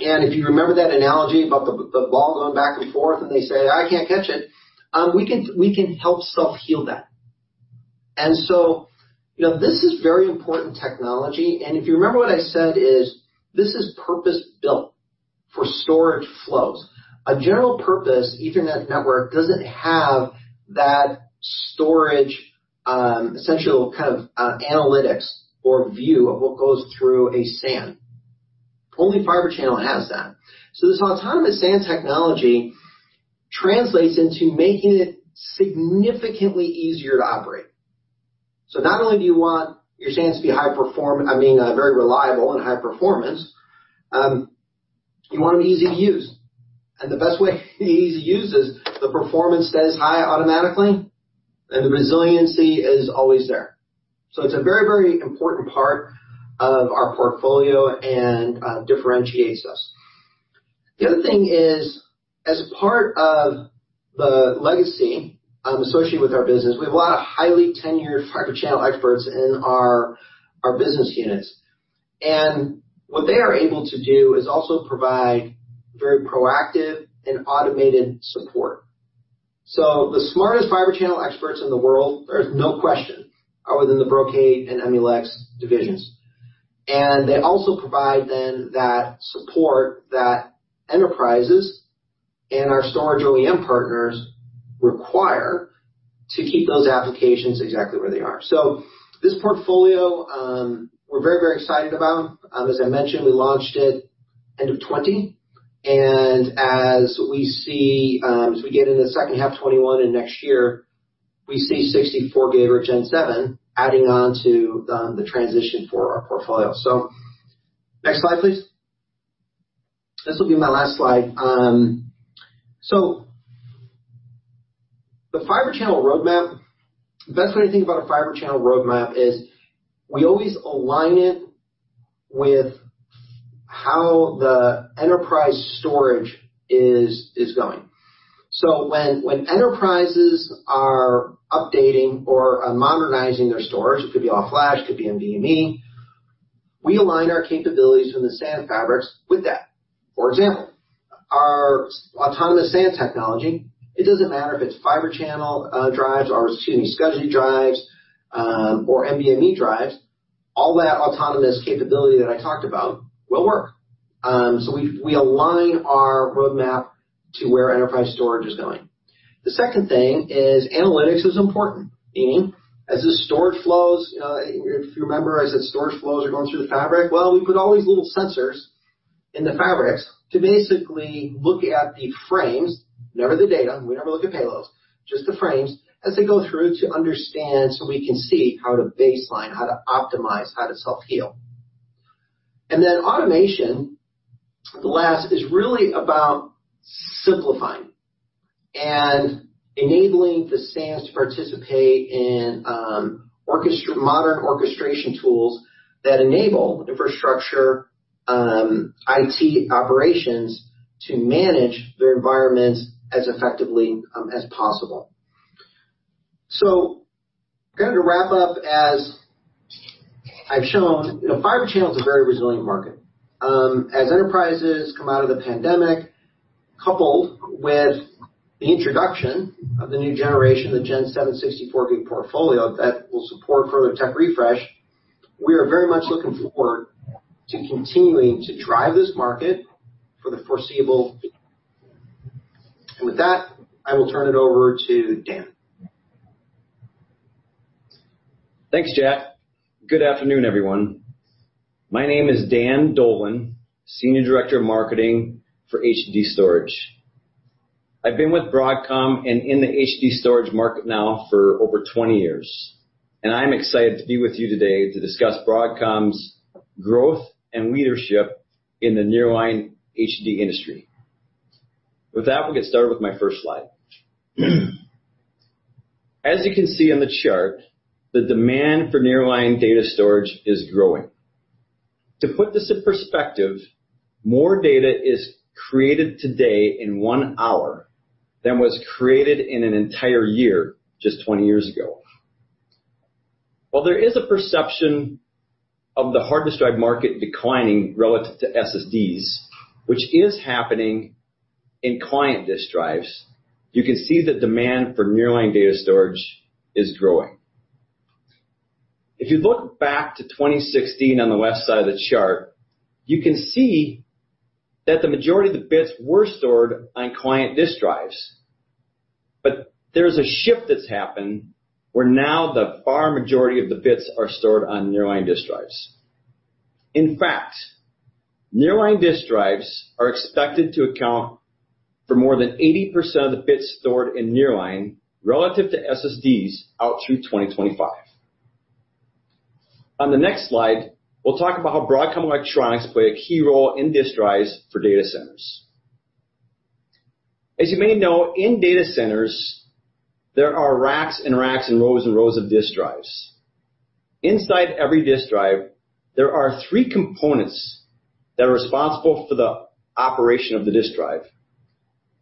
If you remember that analogy about the ball going back and forth, and they say, "I can't catch it." We can help self-heal that. This is very important technology. If you remember what I said is, this is purpose-built for storage flows. A general purpose Ethernet network doesn't have that storage, essential kind of analytics or view of what goes through a SAN. Only Fibre Channel has that. This Autonomous SAN technology translates into making it significantly easier to operate. Not only do you want your SANs to be very reliable and high performance, you want them easy to use. The best way easy to use is the performance stays high automatically, and the resiliency is always there. It's a very important part of our portfolio and differentiates us. The other thing is, as part of the legacy associated with our business, we have a lot of highly tenured Fibre Channel experts in our business units. What they are able to do is also provide very proactive and automated support. The smartest Fibre Channel experts in the world, there's no question, are within the Brocade and Emulex divisions. They also provide then that support that enterprises and our storage OEM partners require to keep those applications exactly where they are. This portfolio, we're very excited about. As I mentioned, we launched it end of 2020. As we get into the second half 2021 and next year, we see 64 Gb or Gen 7 adding on to the transition for our portfolio. Next slide, please. This will be my last slide. The Fibre Channel roadmap, best way to think about a Fibre Channel roadmap is we always align it with how the enterprise storage is going. When enterprises are updating or are modernizing their storage, it could be all flash, could be NVMe, we align our capabilities from the SAN fabrics with that. For example, our Autonomous SAN technology, it doesn't matter if it's Fibre Channel drives or SCSI drives, or NVMe drives, all that autonomous capability that I talked about will work. We align our roadmap to where enterprise storage is going. The second thing is analytics is important, meaning as the storage flows, if you remember I said storage flows are going through the fabric. We put all these little sensors in the fabrics to basically look at the frames, never the data, we never look at payloads, just the frames, as they go through to understand, so we can see how to baseline, how to optimize, how to self-heal. Automation, the last, is really about simplifying and enabling the SANs to participate in modern orchestration tools that enable infrastructure, IT operations to manage their environments as effectively as possible. Kind of to wrap up, as I've shown, Fibre Channel is a very resilient market. As enterprises come out of the pandemic, coupled with the introduction of the new generation, the Gen 7 64 Gb portfolio that will support further tech refresh, we are very much looking forward to continuing to drive this market for the foreseeable. With that, I will turn it over to Dan. Thanks, Jack. Good afternoon, everyone. My name is Dan Dolan, Senior Director of Marketing for HDD Storage. I've been with Broadcom and in the HDD storage market now for over 20 years, and I'm excited to be with you today to discuss Broadcom's growth and leadership in the nearline HDD industry. With that, we'll get started with my first slide. As you can see on the chart, the demand for nearline data storage is growing. To put this in perspective, more data is created today in one hour than was created in an entire year just 20 years ago. While there is a perception of the hard disk drive market declining relative to SSDs, which is happening in client disk drives, you can see the demand for nearline data storage is growing. If you look back to 2016 on the west side of the chart, you can see that the majority of the bits were stored on Client disk drives. There's a shift that's happened, where now the far majority of the bits are stored on nearline disk drives. In fact, nearline disk drives are expected to account for more than 80% of the bits stored in nearline relative to SSDs out through 2025. On the next slide, we'll talk about how Broadcom electronics play a key role in disk drives for data centers. As you may know, in data centers, there are racks and racks and rows and rows of disk drives. Inside every disk drive, there are three components that are responsible for the operation of the disk drive.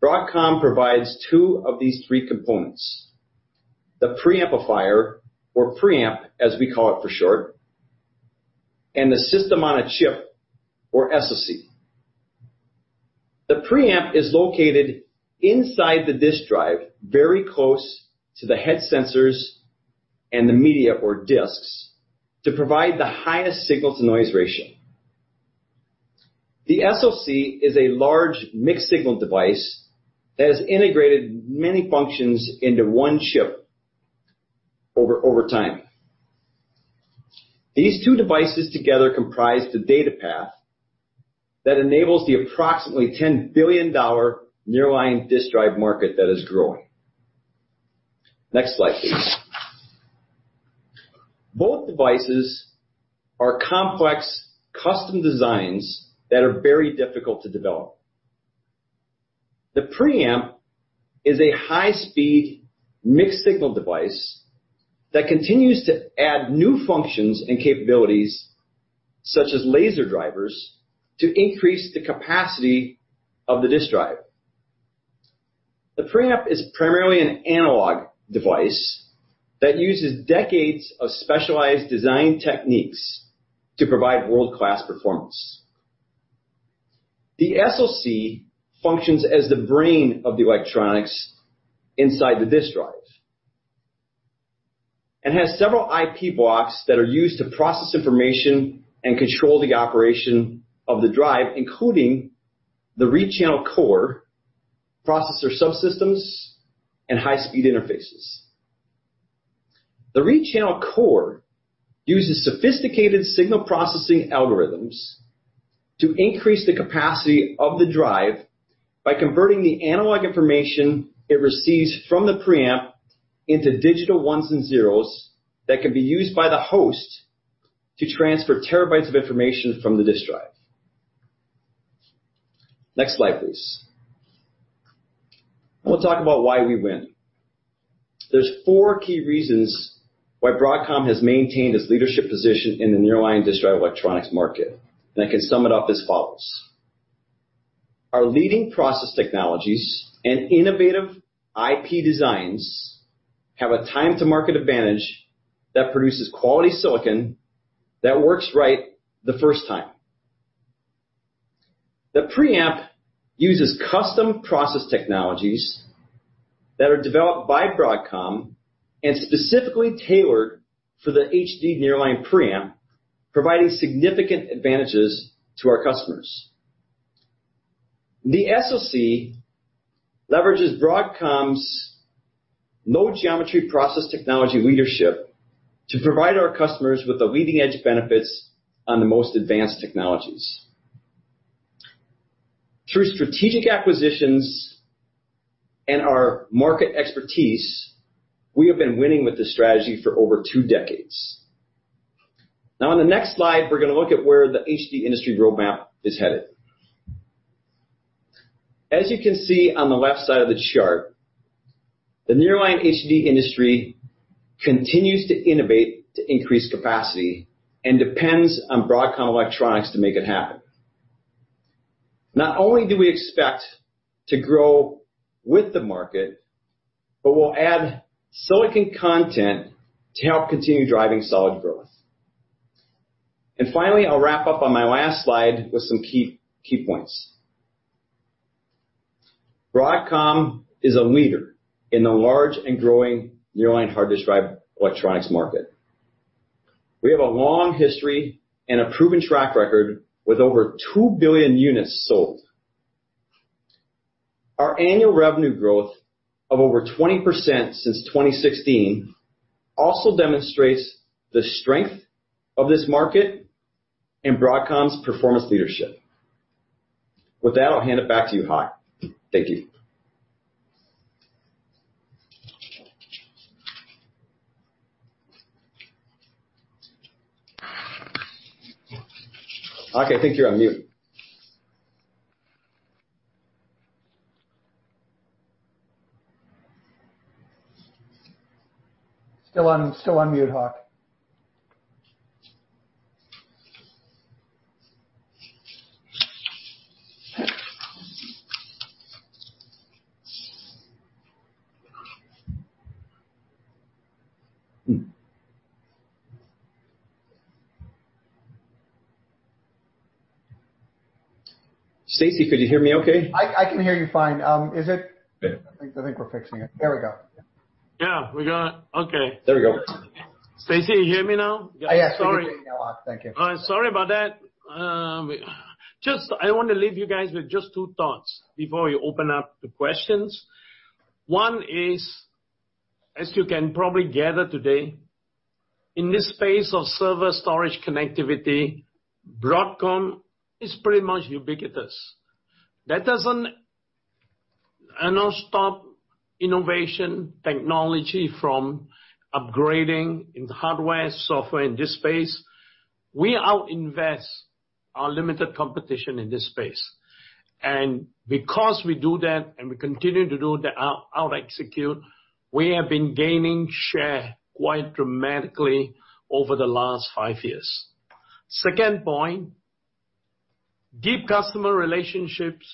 Broadcom provides two of these three components, the preamplifier, or preamp as we call it for short, and the system on a chip, or SoC. The preamp is located inside the disk drive, very close to the head sensors and the media or disks to provide the highest signal-to-noise ratio. The SoC is a large mixed signal device that has integrated many functions into one chip over time. These two devices together comprise the data path that enables the approximately $10 billion nearline disk drive market that is growing. Next slide, please. Both devices are complex custom designs that are very difficult to develop. The preamp is a high-speed mixed signal device that continues to add new functions and capabilities, such as laser drivers, to increase the capacity of the disk drive. The preamp is primarily an analog device that uses decades of specialized design techniques to provide world-class performance. The SoC functions as the brain of the electronics inside the disk drive and has several IP blocks that are used to process information and control the operation of the drive, including the read channel core, processor subsystems, and high-speed interfaces. The read channel core uses sophisticated signal processing algorithms to increase the capacity of the drive by converting the analog information it receives from the preamp into digital ones and zeros that can be used by the host to transfer TB of information from the disk drive. Next slide, please. I want to talk about why we win. There's four key reasons why Broadcom has maintained its leadership position in the nearline disk drive electronics market. I can sum it up as follows. Our leading process technologies and innovative IP designs have a time to market advantage that produces quality silicon that works right the first time. The preamp uses custom process technologies that are developed by Broadcom and specifically tailored for the HDD nearline preamp, providing significant advantages to our customers. The SoC leverages Broadcom's node geometry process technology leadership to provide our customers with the leading-edge benefits on the most advanced technologies. Through strategic acquisitions and our market expertise, we have been winning with this strategy for over two decades. On the next slide, we're going to look at where the HDD industry roadmap is headed. As you can see on the left side of the chart, the nearline HDD industry continues to innovate to increase capacity and depends on Broadcom Electronics to make it happen. Not only do we expect to grow with the market, but we'll add silicon content to help continue driving solid growth. Finally, I'll wrap up on my last slide with some key points. Broadcom is a leader in the large and growing nearline hard disk drive electronics market. We have a long history and a proven track record with over 2 billion units sold. Our annual revenue growth of over 20% since 2016 also demonstrates the strength of this market and Broadcom's performance leadership. With that, I'll hand it back to you, Hock. Thank you. Hock, I think you're on mute. Still on mute, Hock. Stacy, could you hear me okay? I can hear you fine. Is it? Good. I think we're fixing it. There we go. Yeah, we got it. Okay. There we go. Stacy, you hear me now? Yes. We can hear you now, Hock. Thank you. All right. Sorry about that. I want to leave you guys with just two thoughts before we open up to questions. One is, as you can probably gather today, in this space of server storage connectivity, Broadcom is pretty much ubiquitous. That doesn't stop innovation technology from upgrading in the hardware, software in this space. We out-invest our limited competition in this space. Because we do that and we continue to do that, we have been gaining share quite dramatically over the last five years. Second point, deep customer relationships,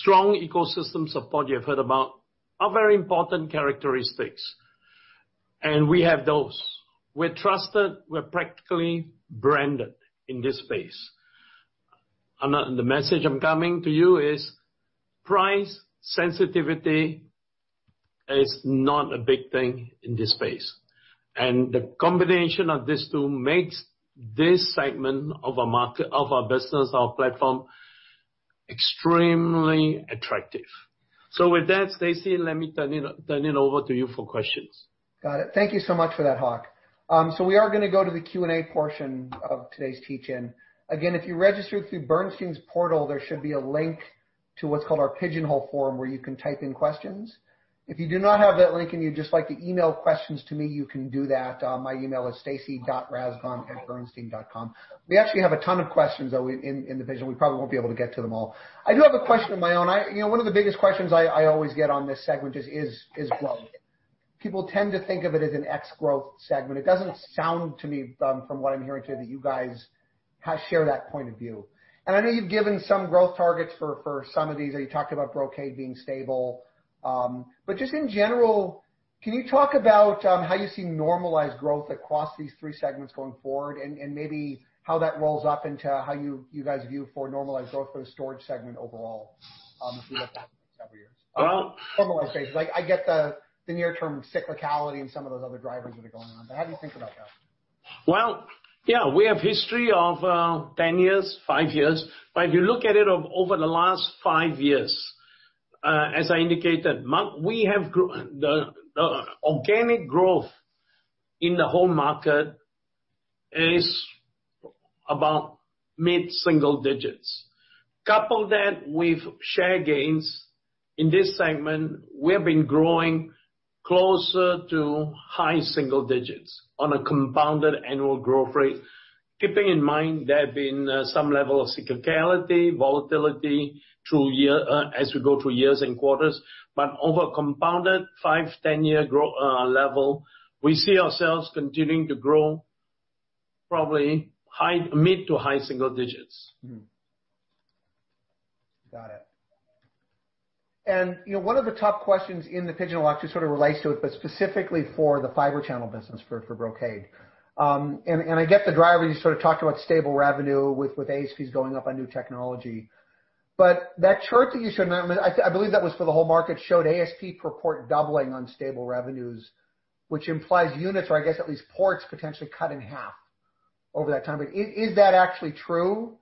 strong ecosystem support you've heard about, are very important characteristics. We have those. We're trusted, we're practically branded in this space. The message I'm coming to you is price sensitivity is not a big thing in this space. The combination of these two makes this segment of our business, our platform, extremely attractive. With that, Stacy, let me turn it over to you for questions. Got it. Thank you so much for that, Hock. We are going to go to the Q&A portion of today's teach-in. Again, if you registered through Bernstein's portal, there should be a link to what's called our Pigeonhole forum, where you can type in questions. If you do not have that link and you'd just like to email questions to me, you can do that. My email is stacy.rasgon@bernstein.com. We actually have a ton of questions, though, in the Pigeonhole, we probably won't be able to get to them all. I do have a question of my own. One of the biggest questions I always get on this segment is growth. People tend to think of it as an ex-growth segment. It doesn't sound to me, from what I'm hearing today, that you guys share that point of view. I know you've given some growth targets for some of these, you talked about Brocade being stable. Just in general, can you talk about how you see normalized growth across these three segments going forward, and maybe how that rolls up into how you guys view for normalized growth for the storage segment overall, if we look out several years? Well- Normalized stages. I get the near-term cyclicality and some of those other drivers that are going on, but how do you think about that? Well, yeah. We have history of 10 years, five years. If you look at it over the last five years, as I indicated, the organic growth in the whole market is about mid-single digits. Couple that with share gains in this segment, we have been growing closer to high single digits on a compounded annual growth rate. Keeping in mind, there have been some level of cyclicality, volatility as we go through years and quarters. Over compounded five, 10-year growth level, we see ourselves continuing to grow probably mid to high single digits. Got it. One of the top questions in the Pigeonhole actually sort of relates to it, but specifically for the Fibre Channel business for Brocade. I get the drivers, you sort of talked about stable revenue with ASPs going up on new technology. That chart that you showed, I believe that was for the whole market, showed ASP per port doubling on stable revenues, which implies units, or I guess at least ports potentially cut in half over that time. Is that actually true?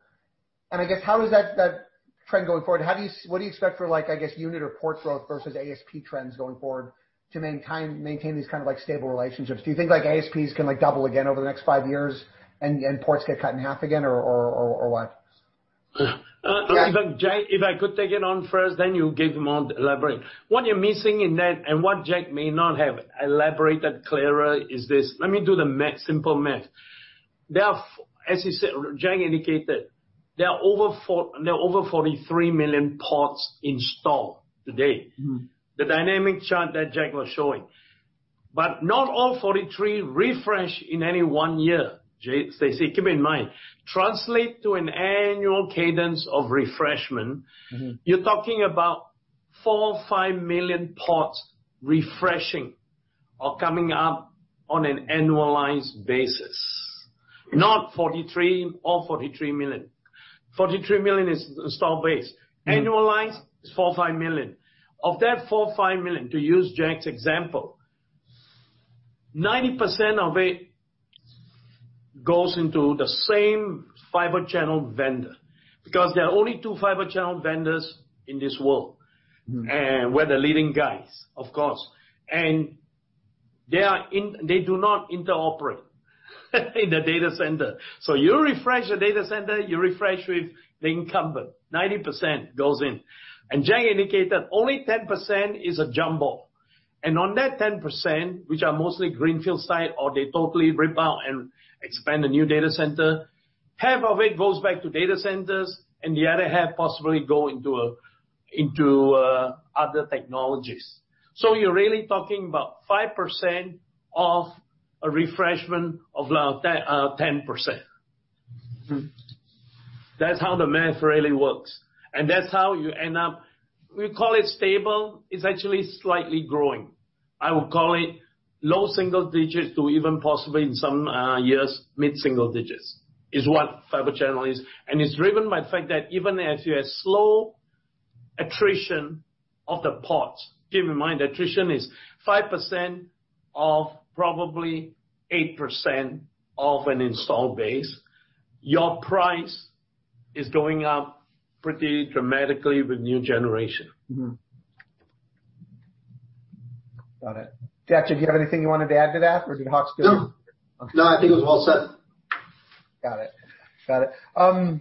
I guess how is that trend going forward? What do you expect for, I guess, unit or port growth versus ASP trends going forward to maintain these kind of stable relationships? Do you think ASPs can double again over the next five years and ports get cut in half again, or what? Jack, if I could take it on first, then you give more elaborate. What you're missing in that and what Jack may not have elaborated clearer is this. Let me do the simple math. As Jack indicated, there are over 43 million ports installed today. The dynamic chart that Jack was showing. Not all 43 refresh in any one year, Stacy. Keep in mind, translate to an annual cadence of refreshment. You're talking about 4 million-5 million ports refreshing or coming up on an annualized basis, not all 43 million. 43 million is the stock base. Annualized is 4 million-5 million. Of that 4 million-5 million, to use Jack's example, 90% of it goes into the same Fibre Channel vendor because there are only two Fibre Channel vendors in this world. We're the leading guys, of course. They do not interoperate in the data center. You refresh the data center, you refresh with the incumbent, 90% goes in. Jack indicated only 10% is a jump ball. On that 10%, which are mostly greenfield site, or they totally rip out and expand a new data center, half of it goes back to data centers and the other half possibly go into other technologies. You're really talking about 5% of a refreshment of 10%. That's how the math really works. That's how you end up, we call it stable. It's actually slightly growing. I would call it low single digits to even possibly in some years mid-single digits, is what Fibre Channel is. It's driven by the fact that even as you have slow attrition of the ports. Keep in mind, attrition is 5% of probably 8% of an installed base. Your price is going up pretty dramatically with a new generation. Got it. Jack, did you have anything you wanted to add to that, or did Hock say it? No. No, I think it was well said. Got it.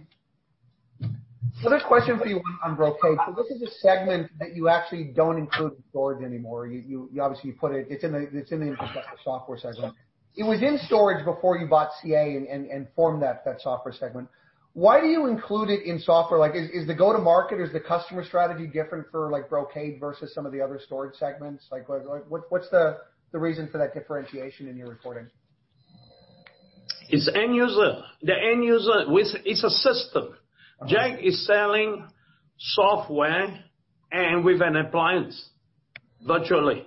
There's a question for you on Brocade. This is a segment that you actually don't include in storage anymore. You obviously put it's in the Infrastructure Software segment. It was in storage before you bought CA and formed that software segment. Why do you include it in software? Is the go-to-market, is the customer strategy different for Brocade versus some of the other storage segments? What's the reason for that differentiation in your reporting? It's end user. The end user, it's a system. Jack is selling software and with an appliance virtually.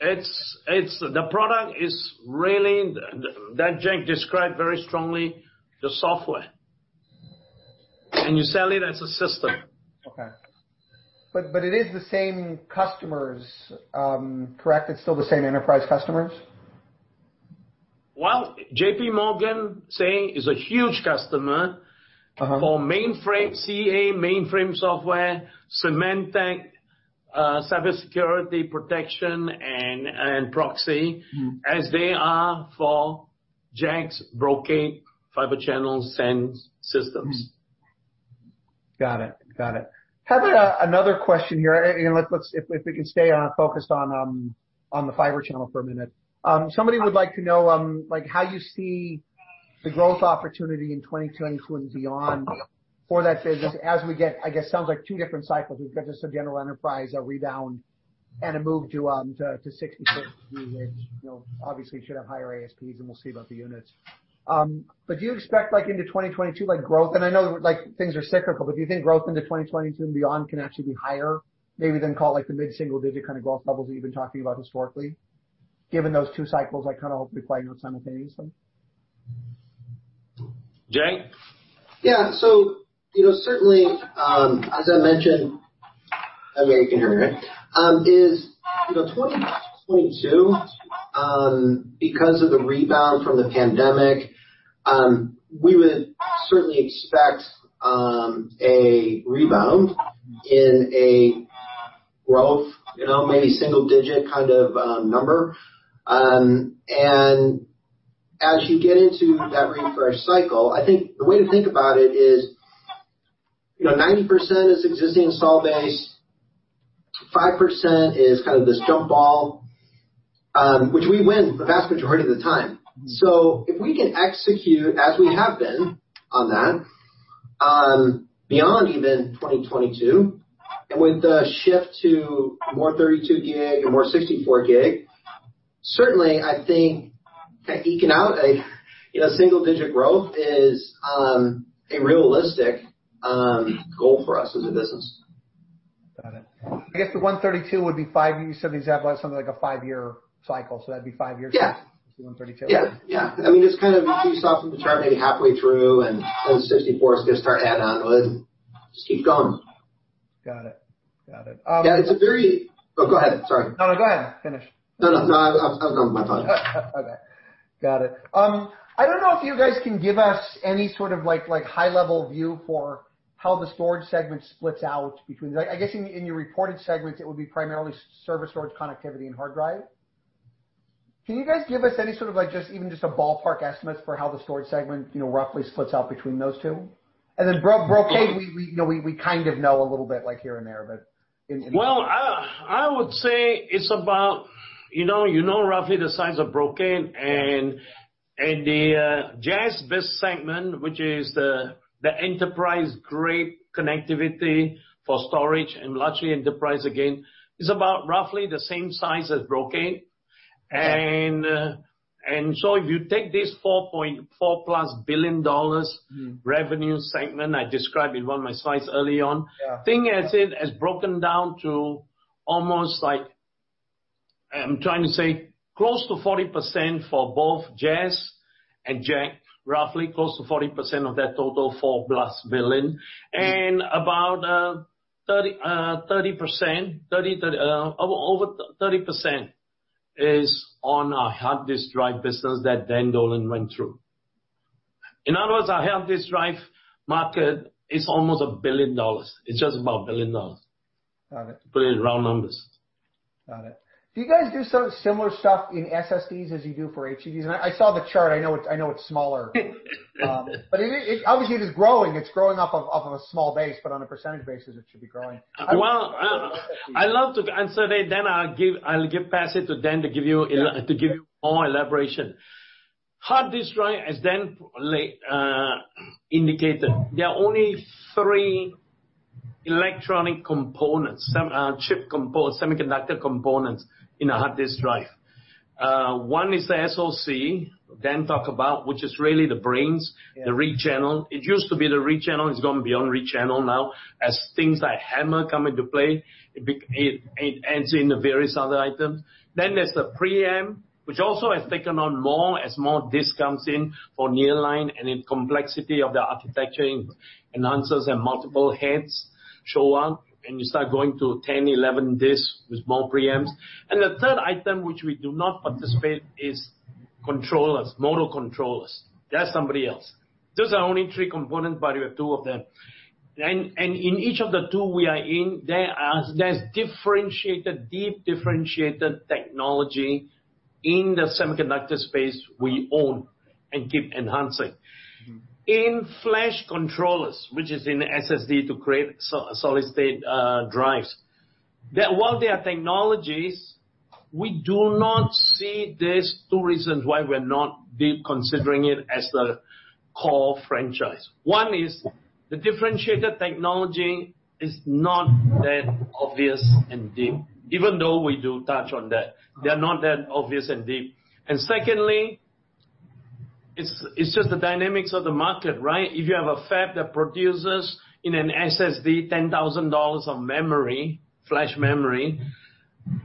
The product is really, that Jack described very strongly, the software. You sell it as a system. Okay. It is the same customers, correct? It's still the same enterprise customers? Well, JPMorgan, say, is a huge customer- for mainframe CA, mainframe software, Symantec cybersecurity protection. as they are for Jack's Brocade Fibre Channels and systems. Got it. How about another question here. If we can stay focused on the Fibre Channel for a minute. Somebody would like to know how you see the growth opportunity in 2022 and beyond for that business as we get, I guess, sounds like two different cycles. We've got just a general enterprise rebound and a move to 64 Gb, which obviously should have higher ASPs, and we'll see about the units. Do you expect into 2022, growth, and I know things are cyclical, but do you think growth into 2022 and beyond can actually be higher maybe than, call it, the mid-single digit kind of growth levels that you've been talking about historically, given those two cycles hopefully playing out simultaneously? Jack? Yeah. Certainly, as I mentioned, I don't know if you can hear me. Is 2022, because of the rebound from the pandemic, we would certainly expect a rebound in a growth, maybe single-digit kind of number. As you get into that refresh cycle, I think the way to think about it is, 90% is existing install base, 5% is kind of this jump ball, which we win the vast majority of the time. If we can execute as we have been on that, beyond even 2022, and with the shift to more 32 Gb and more 64 Gb, certainly, I think that eking out a single-digit growth is a realistic goal for us as a business. Got it. I guess the 128 Gb would be five, you said the example as something like a five-year cycle, so that'd be five years. Yeah to 128 Gb. Yeah. It's kind of if you stop and determine maybe halfway through and those 64 Gb are going to start adding on, it would just keep going. Got it. Yeah. Oh, go ahead, sorry. No, go ahead. Finish. No, I was done with my thought. Okay. Got it. I don't know if you guys can give us any sort of high level view for how the storage segment splits out between, I guess, in your reported segments, it would be primarily server storage connectivity, and hard drive. Can you guys give us any sort of even just a ballpark estimate for how the storage segment roughly splits out between those two? Brocade, we kind of know a little bit here and there. Well, I would say it's about, you know roughly the size of Brocade and the Jas biz segment, which is the enterprise-grade connectivity for storage and largely enterprise, again, is about roughly the same size as Brocade. Yeah. If you take this $4.4+ billion revenue segment I described in one of my slides early on. Yeah think as it as broken down to almost, I'm trying to say, close to 40% for both Jas and Jack, roughly close to 40% of that total $4+ billion. About over 30% is on our hard disk drive business that Dan Dolan went through. In other words, our hard disk drive market is almost $1 billion. It's just about $1 billion. Got it. To put it in round numbers. Got it. Do you guys do sort of similar stuff in SSDs as you do for HDDs? I saw the chart. I know it's smaller. Obviously it is growing. It's growing up off of a small base, but on a percentage basis, it should be growing. Well, I'd love to answer that, I'll pass it to Dan to give you more elaboration. Hard disk drive, as Dan indicated, there are only three electronic components, chip components, semiconductor components in a hard disk drive. One is the SoC, which is really the brains. Yeah The read channel. It used to be the read channel. It's gone beyond read channel now, as things like HAMR come into play, it adds in the various other items. There's the preamp, which also has taken on more as more disks comes in for nearline, and in complexity of the architecturing enhancers and multiple heads show up, and you start going to 10, 11 disks with more preamps. The third item, which we do not participate, is controllers, motor controllers. That's somebody else. Those are only three components, but we have two of them. In each of the two we are in, there's differentiated, deep differentiated technology in the semiconductor space we own and keep enhancing. In flash controllers, which is in SSD to create solid state drives, while there are technologies, we do not see these two reasons why we're not considering it as the core franchise. One is the differentiated technology is not that obvious and deep, even though we do touch on that. They're not that obvious and deep. Secondly, it's just the dynamics of the market, right? If you have a fab that produces in an SSD $10,000 of memory, flash memory,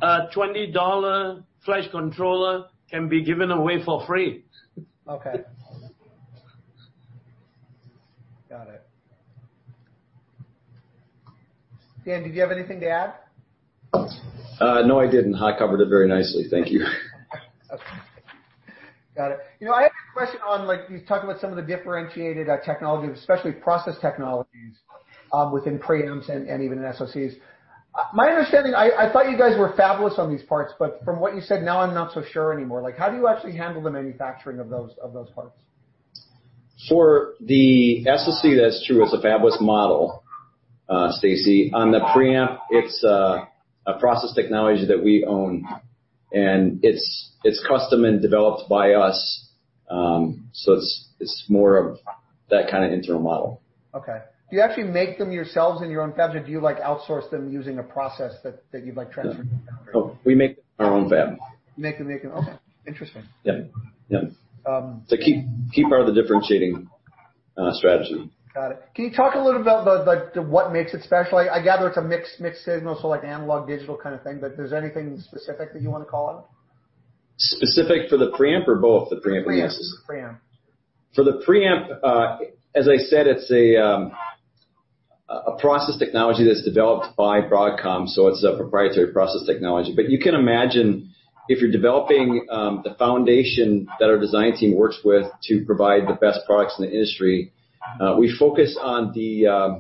a $20 flash controller can be given away for free. Okay. Got it. Dan, did you have anything to add? No, I didn't. Hock covered it very nicely. Thank you. Okay. Got it. I have a question on, you talked about some of the differentiated technology, especially process technologies within preamps and even in SoCs. My understanding, I thought you guys were fabless on these parts, but from what you said, now I'm not so sure anymore. How do you actually handle the manufacturing of those parts? For the SoC, that's true, it's a fabless model, Stacy. On the preamp, it's a process technology that we own, and it's custom and developed by us. It's more of that kind of internal model. Okay. Do you actually make them yourselves in your own fab, or do you outsource them using a process that you've transferred to foundry? No. We make our own fab. You make them. Okay. Interesting. Yeah. It's a key part of the differentiating strategy. Got it. Can you talk a little bit about what makes it special? I gather it's a mixed signal, so like analog digital kind of thing, but there's anything specific that you want to call out? Specific for the preamp or both, the preamp and the SoC? Pre-amp. For the preamp, as I said, it's a process technology that's developed by Broadcom, so it's a proprietary process technology. You can imagine if you're developing the foundation that our design team works with to provide the best products in the industry, we focus on the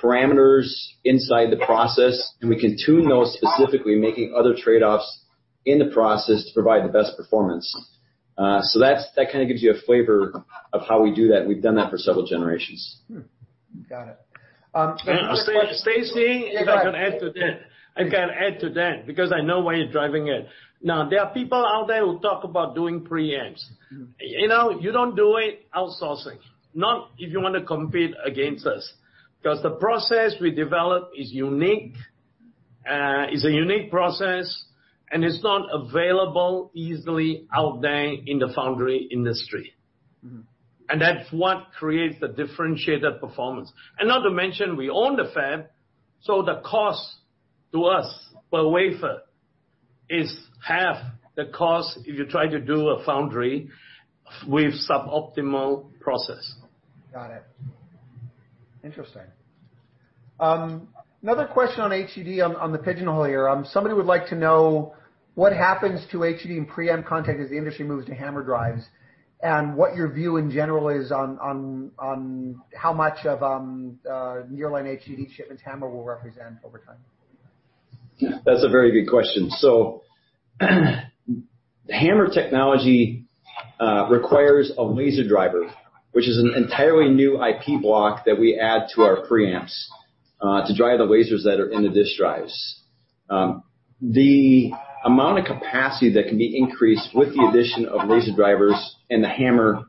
parameters inside the process, and we can tune those specifically, making other trade-offs in the process to provide the best performance. That gives you a flavor of how we do that, and we've done that for several generations. Got it. Next question. Stacy, if I can add to that. Yeah, go ahead. I've got to add to that because I know where you're driving at. Now, there are people out there who talk about doing preamps. You don't do it outsourcing, not if you want to compete against us. The process we develop is a unique process, and it's not available easily out there in the foundry industry. That's what creates the differentiated performance. Not to mention, we own the fab, so the cost to us per wafer is half the cost if you try to do a foundry with suboptimal process. Got it. Interesting. Another question on HDD on the Pigeonhole here. Somebody would like to know what happens to HDD and preamp content as the industry moves to HAMR drives, and what your view in general is on how much of nearline HDD shipments HAMR will represent over time. That's a very good question. HAMR technology requires a laser driver, which is an entirely new IP block that we add to our pre-amps to drive the lasers that are in the disk drives. The amount of capacity that can be increased with the addition of laser drivers and the HAMR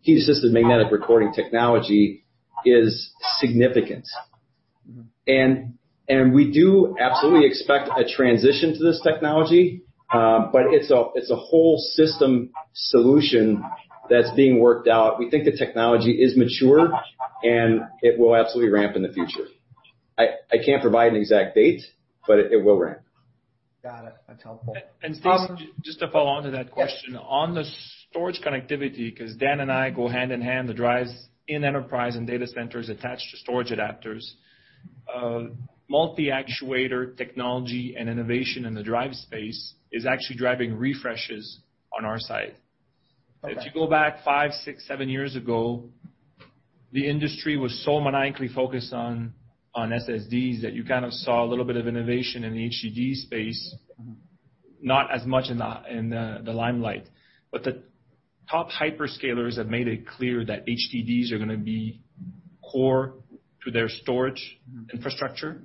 heat-assisted magnetic recording technology is significant. We do absolutely expect a transition to this technology, but it's a whole system solution that's being worked out. We think the technology is mature, and it will absolutely ramp in the future. I can't provide an exact date, but it will ramp. Got it. That's helpful. Stacy, just to follow on to that question. Yes. On the storage connectivity, because Dan and I go hand in hand, the drives in enterprise and data centers attach to storage adapters. Multi-actuator technology and innovation in the drive space is actually driving refreshes on our side. Okay. If you go back five, six, seven years ago, the industry was so maniacally focused on SSDs that you kind of saw a little bit of innovation in the HDD space. not as much in the limelight. The top hyperscalers have made it clear that HDDs are going to be core to their storage infrastructure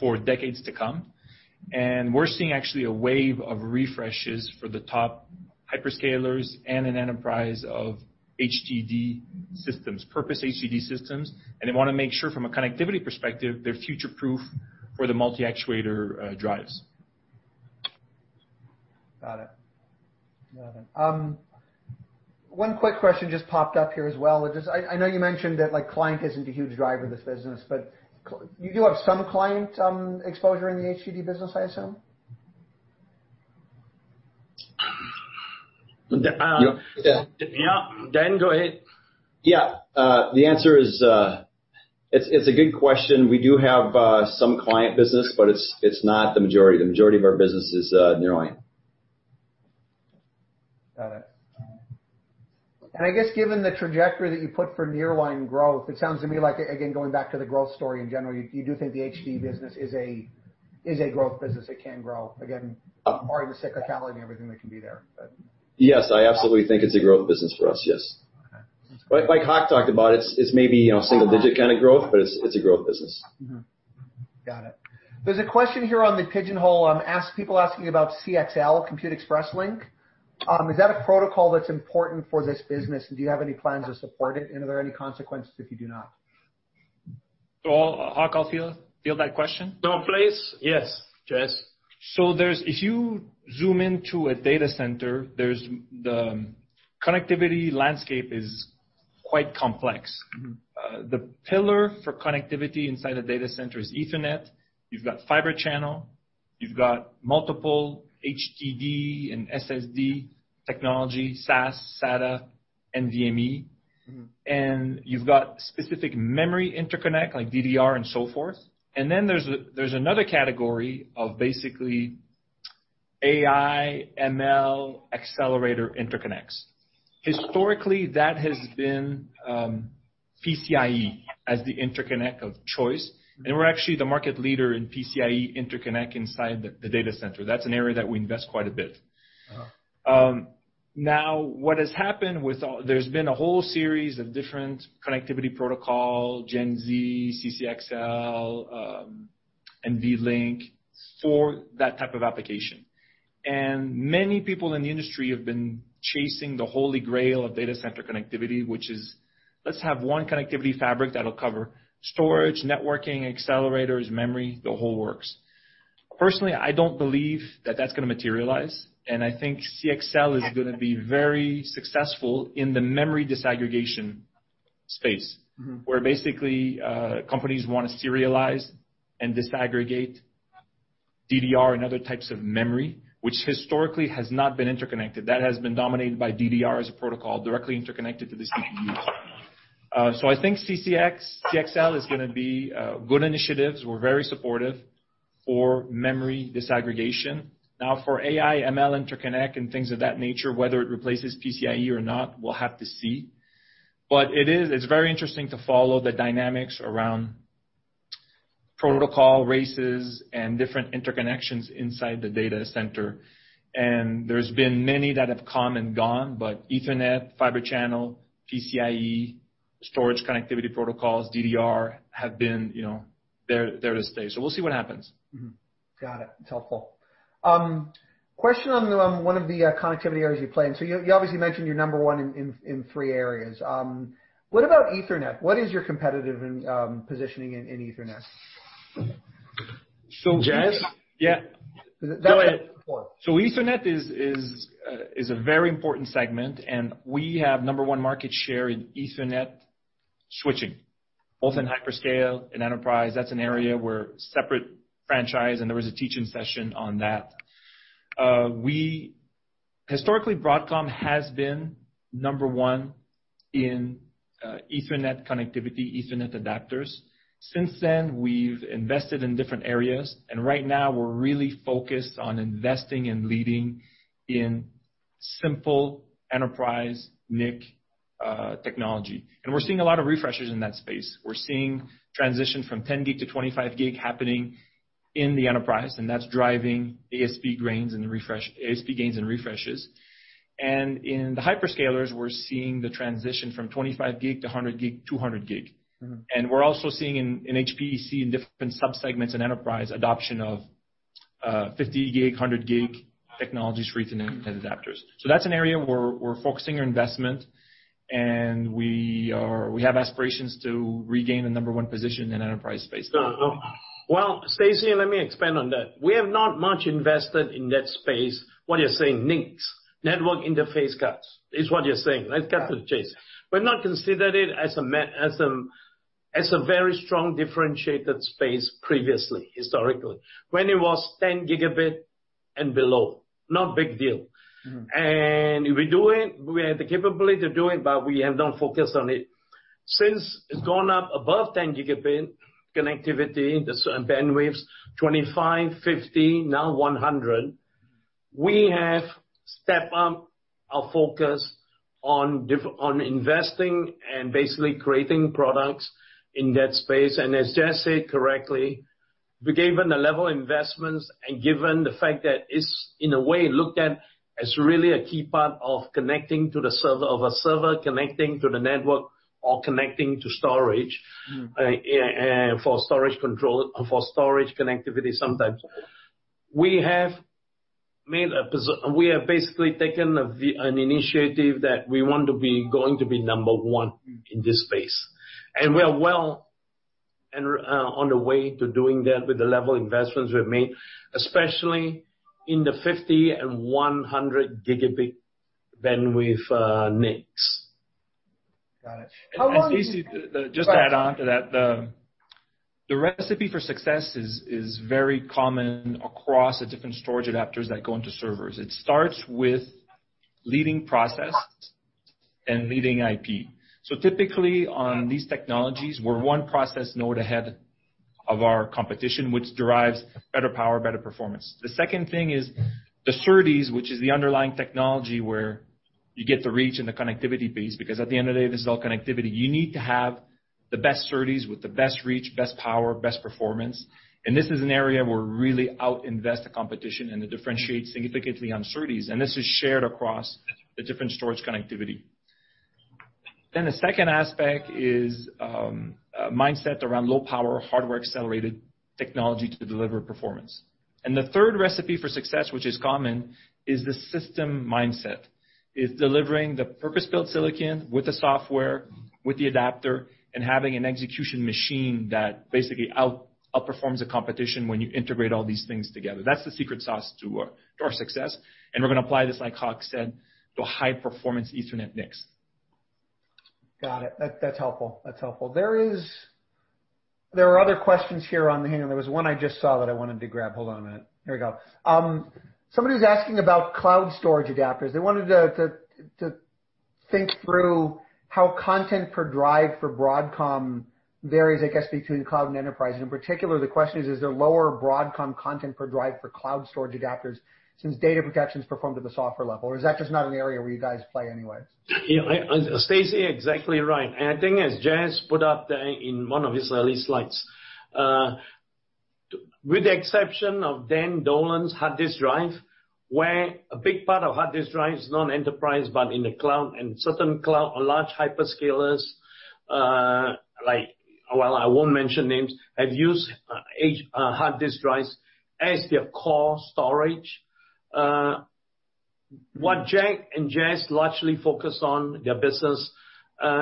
for decades to come. We're seeing actually a wave of refreshes for the top hyperscalers and an enterprise of HDD systems, purpose HDD systems. They want to make sure from a connectivity perspective, they're future-proof for the multi-actuator drives. Got it. One quick question just popped up here as well. I know you mentioned that client isn't a huge driver of this business, but you do have some client exposure in the HDD business, I assume? Dan, go ahead. Yeah. It's a good question. We do have some client business, but it's not the majority. The majority of our business is nearline. Got it. I guess given the trajectory that you put for nearline growth, it sounds to me like, again, going back to the growth story in general, you do think the HDD business is a growth business, it can grow. Again, part of the cyclicality and everything that can be there. Yes, I absolutely think it's a growth business for us, yes. Okay. Like Hock talked about, it's maybe single digit kind of growth, but it's a growth business. Got it. There's a question here on the Pigeonhole, people asking about CXL, Compute Express Link. Is that a protocol that's important for this business? Do you have any plans to support it? Are there any consequences if you do not? Yes, Jas. If you zoom into a data center, the connectivity landscape is quite complex. The pillar for connectivity inside the data center is Ethernet. You've got Fibre Channel, you've got multiple HDD and SSD technology, SAS, SATA, NVMe. You've got specific memory interconnect, like DDR and so forth. There's another category of basically AI, ML accelerator interconnects. Historically, that has been PCIe as the interconnect of choice, and we're actually the market leader in PCIe interconnect inside the data center. That's an area that we invest quite a bit. What has happened, there's been a whole series of different connectivity protocol, Gen-Z, CXL, NVLink, for that type of application. Many people in the industry have been chasing the holy grail of data center connectivity, which is, let's have one connectivity fabric that'll cover storage, networking, accelerators, memory, the whole works. Personally, I don't believe that that's going to materialize, and I think CXL is going to be very successful in the memory disaggregation space. Basically, companies want to serialize and disaggregate DDR and other types of memory, which historically has not been interconnected. That has been dominated by DDR as a protocol directly interconnected to the CPUs. I think CXL is going to be good initiatives. We're very supportive for memory disaggregation. Now, for AI, ML interconnect and things of that nature, whether it replaces PCIe or not, we'll have to see. It's very interesting to follow the dynamics around protocol races and different interconnections inside the data center. There's been many that have come and gone, ethernet, Fibre Channel, PCIe, storage connectivity protocols, DDR, have been there to stay. We'll see what happens. Got it. It's helpful. Question on one of the connectivity areas you play in. You obviously mentioned you're number one in three areas. What about Ethernet? What is your competitive positioning in Ethernet? Jas? Yeah. Go ahead. Ethernet is a very important segment, and we have number one market share in Ethernet switching, both in hyperscale and enterprise. That's an area where separate franchise, and there was a teach-in session on that. Historically, Broadcom has been number one in Ethernet connectivity, Ethernet adapters. Since then, we've invested in different areas, and right now we're really focused on investing and leading in simple enterprise NIC technology. We're seeing a lot of refreshers in that space. We're seeing transition from 10 Gb to 25 Gb happening in the enterprise, and that's driving ASP gains and refreshes. In the hyperscalers, we're seeing the transition from 25 Gb to 100 Gb, 200 Gb. We're also seeing in HPC, in different sub-segments in enterprise, adoption of 50 Gb, 100 Gb technologies for ethernet adapters. That's an area where we're focusing our investment, and we have aspirations to regain the number one position in enterprise space. Well, Stacy, let me expand on that. We have not much invested in that space, what you are saying, NICs. Network interface cards is what you are saying. Let's cut to the chase. We have not considered it as a very strong, differentiated space previously, historically, when it was 10 Gb and below, not big deal. We had the capability to do it, but we have not focused on it. Since it's gone up above 10 Gb connectivity, the certain bandwidths, 25 Gb, 50 Gb, now 100 Gb, we have stepped up our focus on investing and basically creating products in that space. As Jas said correctly, given the level of investments and given the fact that it's, in a way, looked at as really a key part of a server connecting to the network or connecting to storage. for storage connectivity sometimes, We have basically taken an initiative that we want to be number 1 in this space. We are well on the way to doing that with the level of investments we've made, especially in the 50 Gb and 100 Gb bandwidth NICs. Got it. How long do you? Stacy, just to add on to that. The recipe for success is very common across the different storage adapters that go into servers. It starts with leading process and leading IP. Typically, on these technologies, we're one process node ahead of our competition, which derives better power, better performance. The second thing is the SerDes, which is the underlying technology where you get the reach and the connectivity piece, because at the end of the day, this is all connectivity. You need to have the best SerDes with the best reach, best power, best performance. This is an area where we really out-invest the competition and it differentiates significantly on SerDes, and this is shared across the different storage connectivity. The second aspect is mindset around low power, hardware accelerated technology to deliver performance. The third recipe for success, which is common, is the system mindset. Is delivering the purpose-built silicon with the software, with the adapter, and having an execution machine that basically outperforms the competition when you integrate all these things together. That's the secret sauce to our success, and we're going to apply this, like Hock said, to high performance Ethernet NICs. Got it. That's helpful. There are other questions here on here, and there was one I just saw that I wanted to grab. Hold on a minute. Here we go. Somebody's asking about cloud storage adapters. They wanted to think through how content per drive for Broadcom varies, I guess, between cloud and enterprise. In particular, the question is: Is there lower Broadcom content per drive for cloud storage adapters since data protection is performed at the software level, or is that just not an area where you guys play anyways? Yeah, Stacy, exactly right. The thing is, Jas put up in one of his early slides. With the exception of Dan Dolan's hard disk drive, where a big part of hard disk drive is non-enterprise, but in the cloud and certain cloud large hyperscalers, well, I won't mention names, have used hard disk drives as their core storage. What Jack and Jas largely focus on their business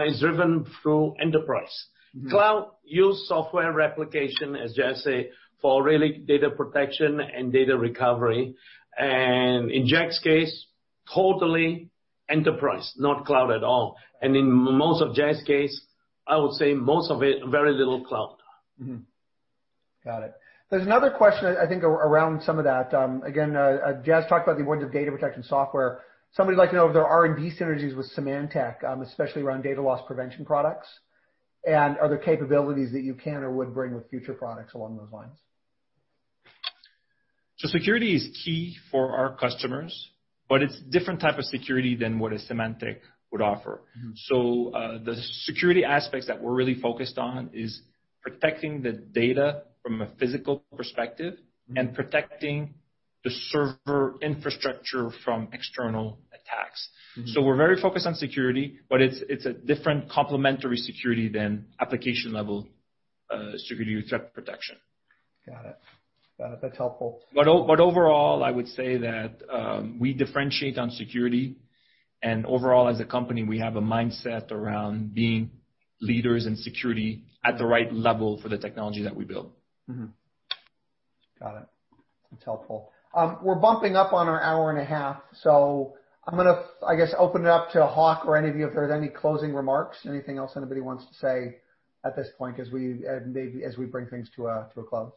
is driven through enterprise. Cloud use software replication, as Jas say, for really data protection and data recovery, and in Jack's case, totally enterprise, not cloud at all. In most of Jas' case, I would say most of it, very little cloud. Mm-hmm. Got it. There's another question, I think, around some of that. Again, Jas talked about the importance of data protection software. Somebody would like to know if there are R&D synergies with Symantec, especially around data loss prevention products, and are there capabilities that you can or would bring with future products along those lines? Security is key for our customers, but it's different type of security than what a Symantec would offer. The security aspects that we're really focused on is protecting the data from a physical perspective and protecting the server infrastructure from external attacks. We're very focused on security, but it's a different complementary security than application level security with threat protection. Got it. That's helpful. Overall, I would say that we differentiate on security, and overall as a company, we have a mindset around being leaders in security at the right level for the technology that we build. Got it. That's helpful. We're bumping up on our hour and a half, I'm gonna, I guess, open it up to Hock or any of you if there's any closing remarks, anything else anybody wants to say at this point as we bring things to a close.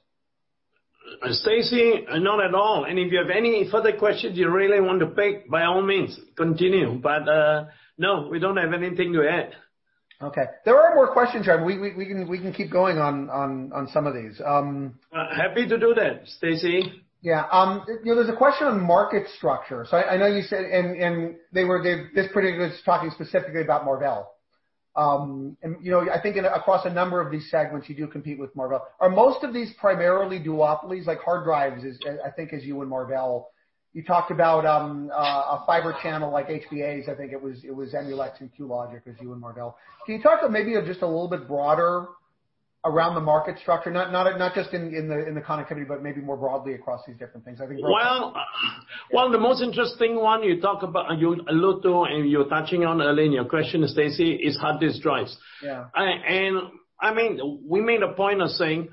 Stacy, not at all. If you have any further questions you really want to pick, by all means, continue. No, we don't have anything to add. Okay. There are more questions here. We can keep going on some of these. Happy to do that, Stacy. Yeah. There's a question on market structure. I know you said, and this pretty good is talking specifically about Marvell. I think across a number of these segments, you do compete with Marvell. Are most of these primarily duopolies, like hard drives is, I think is you and Marvell. You talked about a Fibre Channel like HBAs. I think it was Emulex and QLogic was you and Marvell. Can you talk maybe just a little bit broader around the market structure? Not just in the connectivity, but maybe more broadly across these different things. Well, the most interesting one you talked about, you alluded to, and you're touching on earlier in your question, Stacy, is hard disk drives. Yeah. I mean, we made a point of saying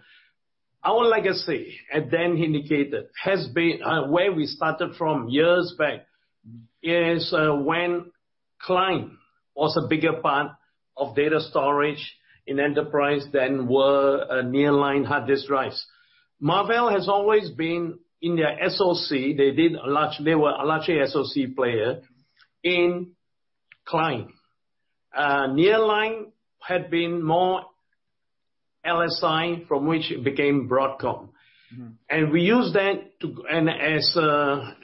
our legacy, as Dan indicated, has been where we started from years back is when Client was a bigger part of data storage in enterprise than were nearline hard disk drives. Marvell has always been in their SoC. They were a largely SoC player in Client. Nearline had been more LSI from which it became Broadco. We used that,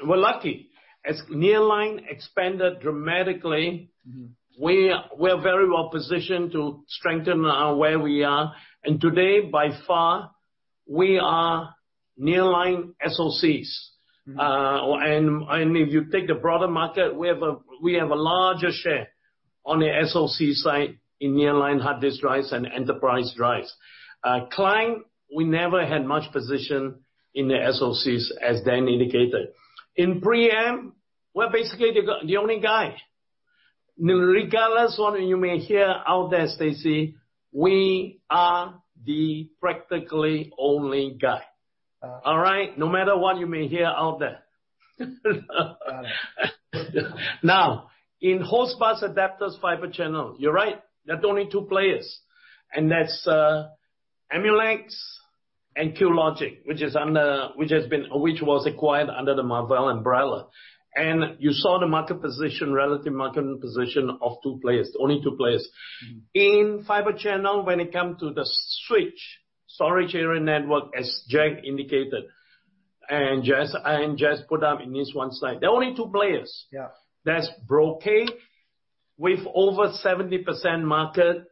we're lucky. As Nearline expanded dramatically. we're very well positioned to strengthen where we are. Today, by far, we are Nearline SoCs. If you take the broader market, we have a larger share on the SoC side in nearline hard disk drives and enterprise drives. Client, we never had much position in the SoCs, as Dan indicated. In preamp, we're basically the only guy. Regardless of what you may hear out there, Stacy, we are the practically only guy. All right? No matter what you may hear out there. Got it. In host bus adapters Fibre Channel, you're right, there are only two players, and that's Emulex and QLogic, which was acquired under the Marvell umbrella. You saw the relative market position of two players, only two players. In Fibre Channel, when it comes to the switch, storage area network, as Jas indicated, and Jas put up in this one slide, there are only two players. Yeah. That's Brocade with over 70% market.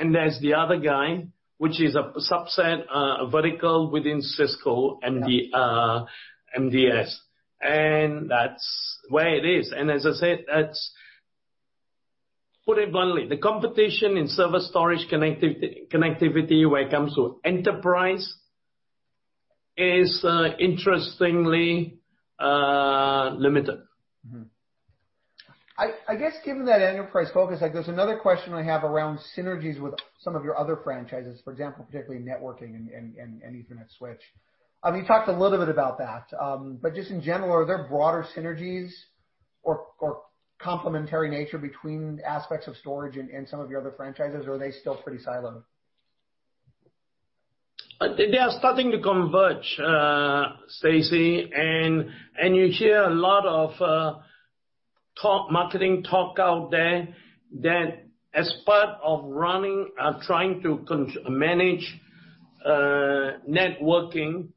There's the other guy, which is a subset, a vertical within Cisco, MDS. That's the way it is. As I said, put it bluntly, the competition in server storage connectivity where it comes to enterprise is interestingly limited. I guess given that enterprise focus, there's another question I have around synergies with some of your other franchises, for example, particularly networking and Ethernet switch. You talked a little bit about that. Just in general, are there broader synergies or complementary nature between aspects of storage and some of your other franchises, or are they still pretty siloed? They are starting to converge, Stacy. You hear a lot of marketing talk out there that as part of running, trying to manage networking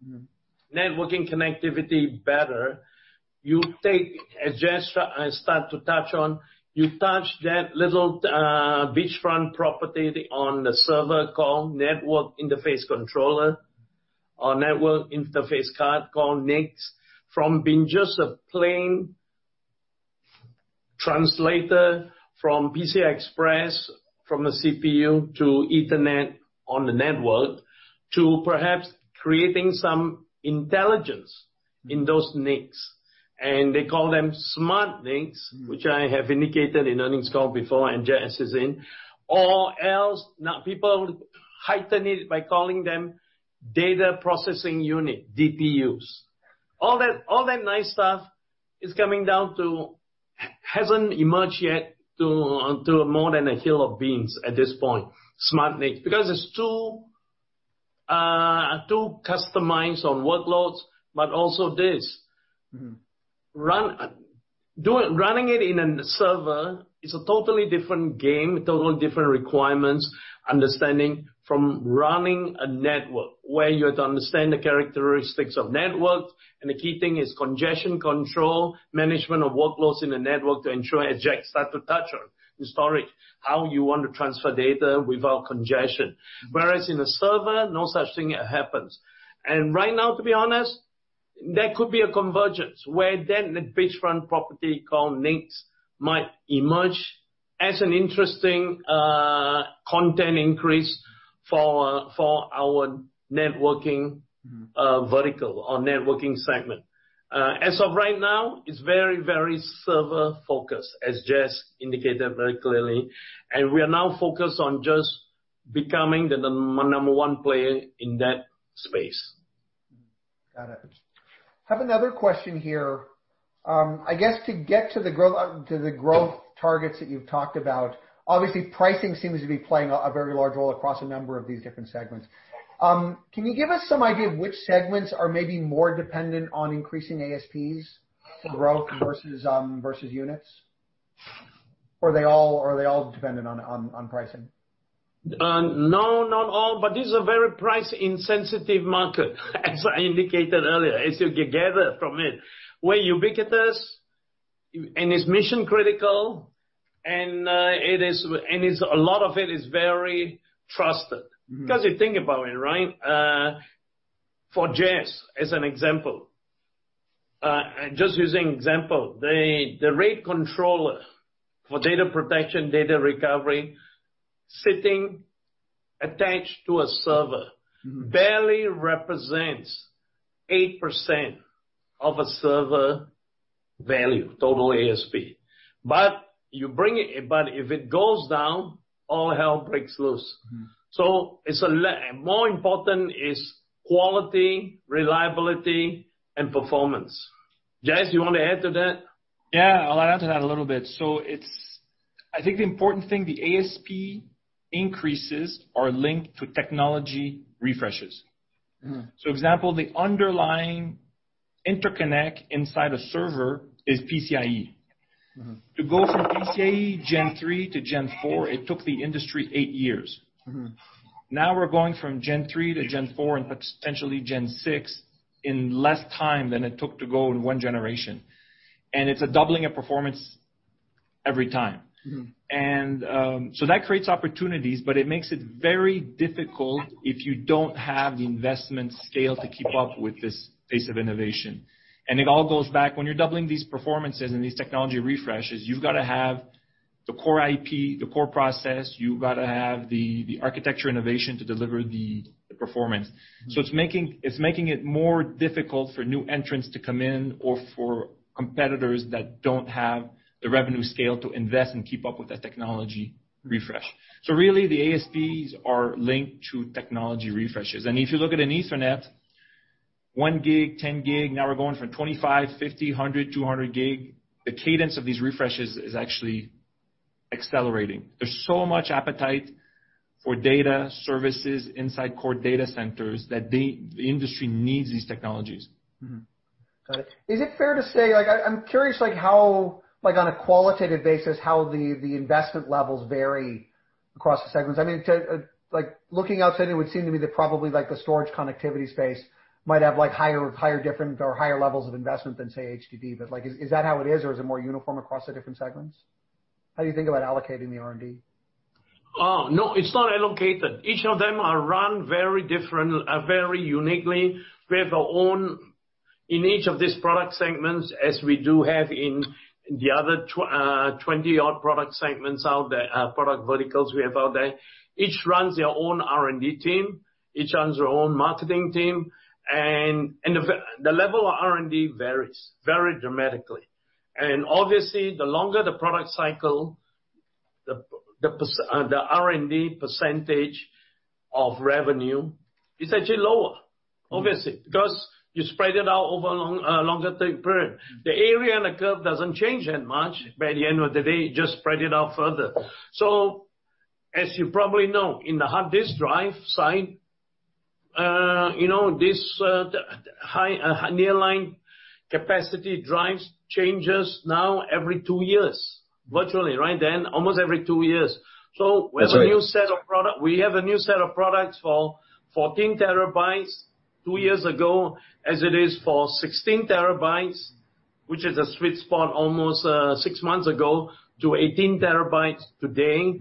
connectivity better, you take, as Jas started to touch on, you touch that little beachfront property on the server called network interface controller or network interface card called NICs, from being just a plain translator from PCI Express, from the CPU to ethernet on the network to perhaps creating some intelligence in those NICs. They call them SmartNICs, which I have indicated in earnings call before, and Jas is in. Else now people heighten it by calling them data processing unit, DPUs. All that nice stuff is coming down to hasn't emerged yet to more than a hill of beans at this point, SmartNIC. It's too customized on workloads, but also this. Running it in a server is a totally different game, totally different requirements, understanding from running a network where you have to understand the characteristics of networks, and the key thing is congestion control, management of workloads in the network to ensure, as Jas started to touch on in storage, how you want to transfer data without congestion. Whereas in a server, no such thing happens. Right now, to be honest, there could be a convergence where then the beachfront property called NICs might emerge as an interesting content increase for our networking vertical or networking segment. As of right now, it's very server focused, as Jas indicated very clearly, and we are now focused on just becoming the number one player in that space. Got it. Have another question here. I guess to get to the growth targets that you've talked about, obviously pricing seems to be playing a very large role across a number of these different segments. Can you give us some idea of which segments are maybe more dependent on increasing ASPs for growth versus units? Are they all dependent on pricing? No, not all, but this is a very price-insensitive market, as I indicated earlier, as you gather from it. We're ubiquitous, and it's mission-critical, and a lot of it is very trusted. If you think about it, for Jas, as an example, just using example, the RAID controller for data protection, data recovery, sitting attached to a server barely represents 8% of a server value, total ASP. If it goes down, all hell breaks loose. More important is quality, reliability, and performance. Jas, you want to add to that? Yeah, I'll add to that a little bit. I think the important thing, the ASP increases are linked to technology refreshes. Example, the underlying interconnect inside a server is PCIe. To go from PCIe Gen 3 to Gen 4, it took the industry eight years. We're going from Gen 3 to Gen 4 and potentially Gen 6 in less time than it took to go in one generation. It's a doubling of performance every time. That creates opportunities, but it makes it very difficult if you don't have the investment scale to keep up with this pace of innovation. It all goes back, when you're doubling these performances and these technology refreshes, you've got to have the core IP, the core process, you've got to have the architecture innovation to deliver the performance. It's making it more difficult for new entrants to come in, or for competitors that don't have the revenue scale to invest and keep up with that technology refresh. Really, the ASPs are linked to technology refreshes. If you look at an Ethernet, 1 Gb, 10 Gb, now we're going from 25 Gb, 50 Gb, 100 Gb, 200 Gb. The cadence of these refreshes is actually accelerating. There's so much appetite for data services inside core data centers that the industry needs these technologies. Got it. Is it fair to say, I'm curious how, on a qualitative basis, how the investment levels vary across the segments. Looking outside, it would seem to me that probably the storage connectivity space might have higher levels of investment than, say, HDD. Is that how it is, or is it more uniform across the different segments? How do you think about allocating the R&D? No, it's not allocated. Each of them are run very differently, very uniquely. We have our own in each of these product segments, as we do have in the other 20 odd product segments out there, product verticals we have out there. Each runs their own R&D team. Each runs their own marketing team. The level of R&D varies, very dramatically. Obviously, the longer the product cycle, the R&D % of revenue is actually lower, obviously. Because you spread it out over a longer period. The area on the curve doesn't change that much by the end of the day, just spread it out further. As you probably know, in the hard disk drive side, this nearline capacity drives changes now every two years, virtually, right, Dan? Almost every two years. That's right. We have a new set of products for 14 TB two years ago, as it is for 16 TB, which is a sweet spot almost six months ago, to 18 TB today.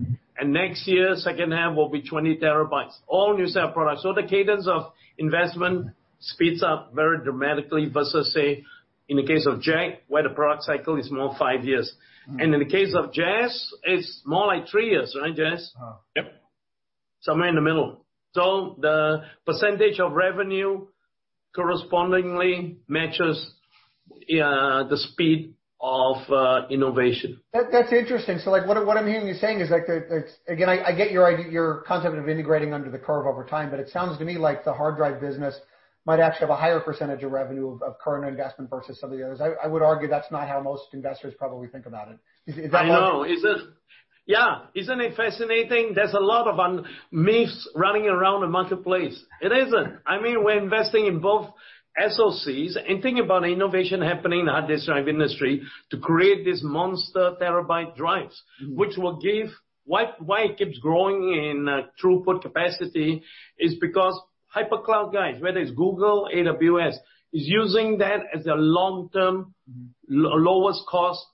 Next year, second half will be 20 TB. All new set of products. The cadence of investment speeds up very dramatically versus, say, in the case of Jack, where the product cycle is more five years. In the case of Jas, it's more like three years, right, Jas? Yep. Somewhere in the middle. The percentage of revenue correspondingly matches the speed of innovation. That's interesting. What I'm hearing you saying is that, again, I get your concept of integrating under the curve over time, but it sounds to me like the hard drive business might actually have a higher percentage of revenue of current investment versus some of the others. I would argue that's not how most investors probably think about it. Is that? I know. Yeah. Isn't it fascinating? There's a lot of myths running around the marketplace. It isn't. We're investing in both SoCs and think about innovation happening in the hard disk drive industry to create these monster terabyte drives. Why it keeps growing in throughput capacity is because hypercloud guys, whether it's Google, AWS, is using that as their long-term lowest cost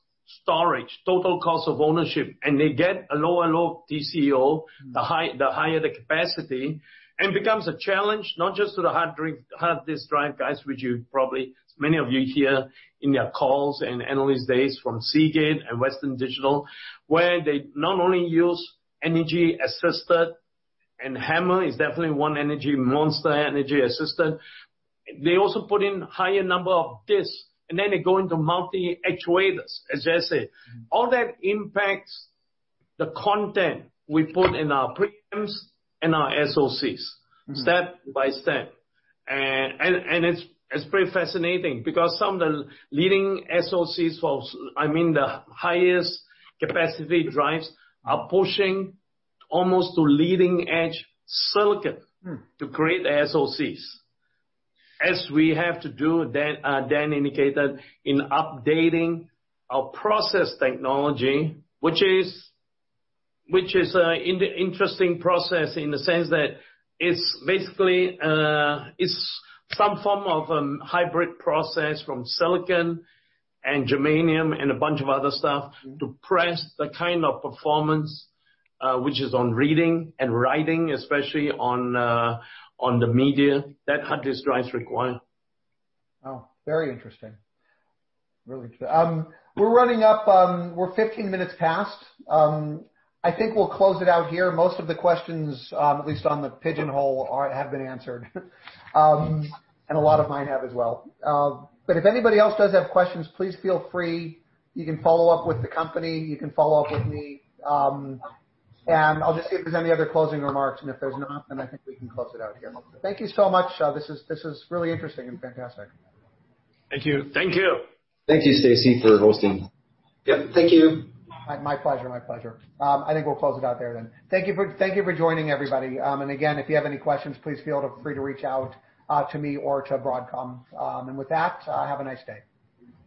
storage, total cost of ownership. They get a lower and lower TCO. the higher the capacity. It becomes a challenge, not just to the hard disk drive guys, which you probably many of you hear in their calls and analyst days from Seagate and Western Digital, where they not only use energy assisted, and HAMR is definitely one energy monster energy assisted. They also put in higher number of disks, and then they go into multi-actuator, as Jas said. All that impacts the content we put in our preamps and our SoCs. Step by step. It's pretty fascinating because some of the leading SoCs, the highest capacity drives are pushing almost to leading-edge silicon. to create the SoCs. As we have to do, Dan indicated, in updating our process technology, which is an interesting process in the sense that it's basically some form of a hybrid process from silicon and germanium and a bunch of other stuff to press the kind of performance, which is on reading and writing, especially on the media that hard disk drives require. Oh, very interesting. Really. We are running up. We are 15 minutes past. I think we will close it out here. Most of the questions, at least on the Pigeonhole, have been answered. A lot of mine have as well. If anybody else does have questions, please feel free. You can follow up with the company, you can follow up with me. I will just see if there is any other closing remarks, and if there is not, then I think we can close it out here. Thank you so much. This is really interesting and fantastic. Thank you. Thank you. Thank you, Stacy, for hosting. Yep, thank you. My pleasure. I think we'll close it out there then. Thank you for joining, everybody. Again, if you have any questions, please feel free to reach out to me or to Broadcom. With that, have a nice day.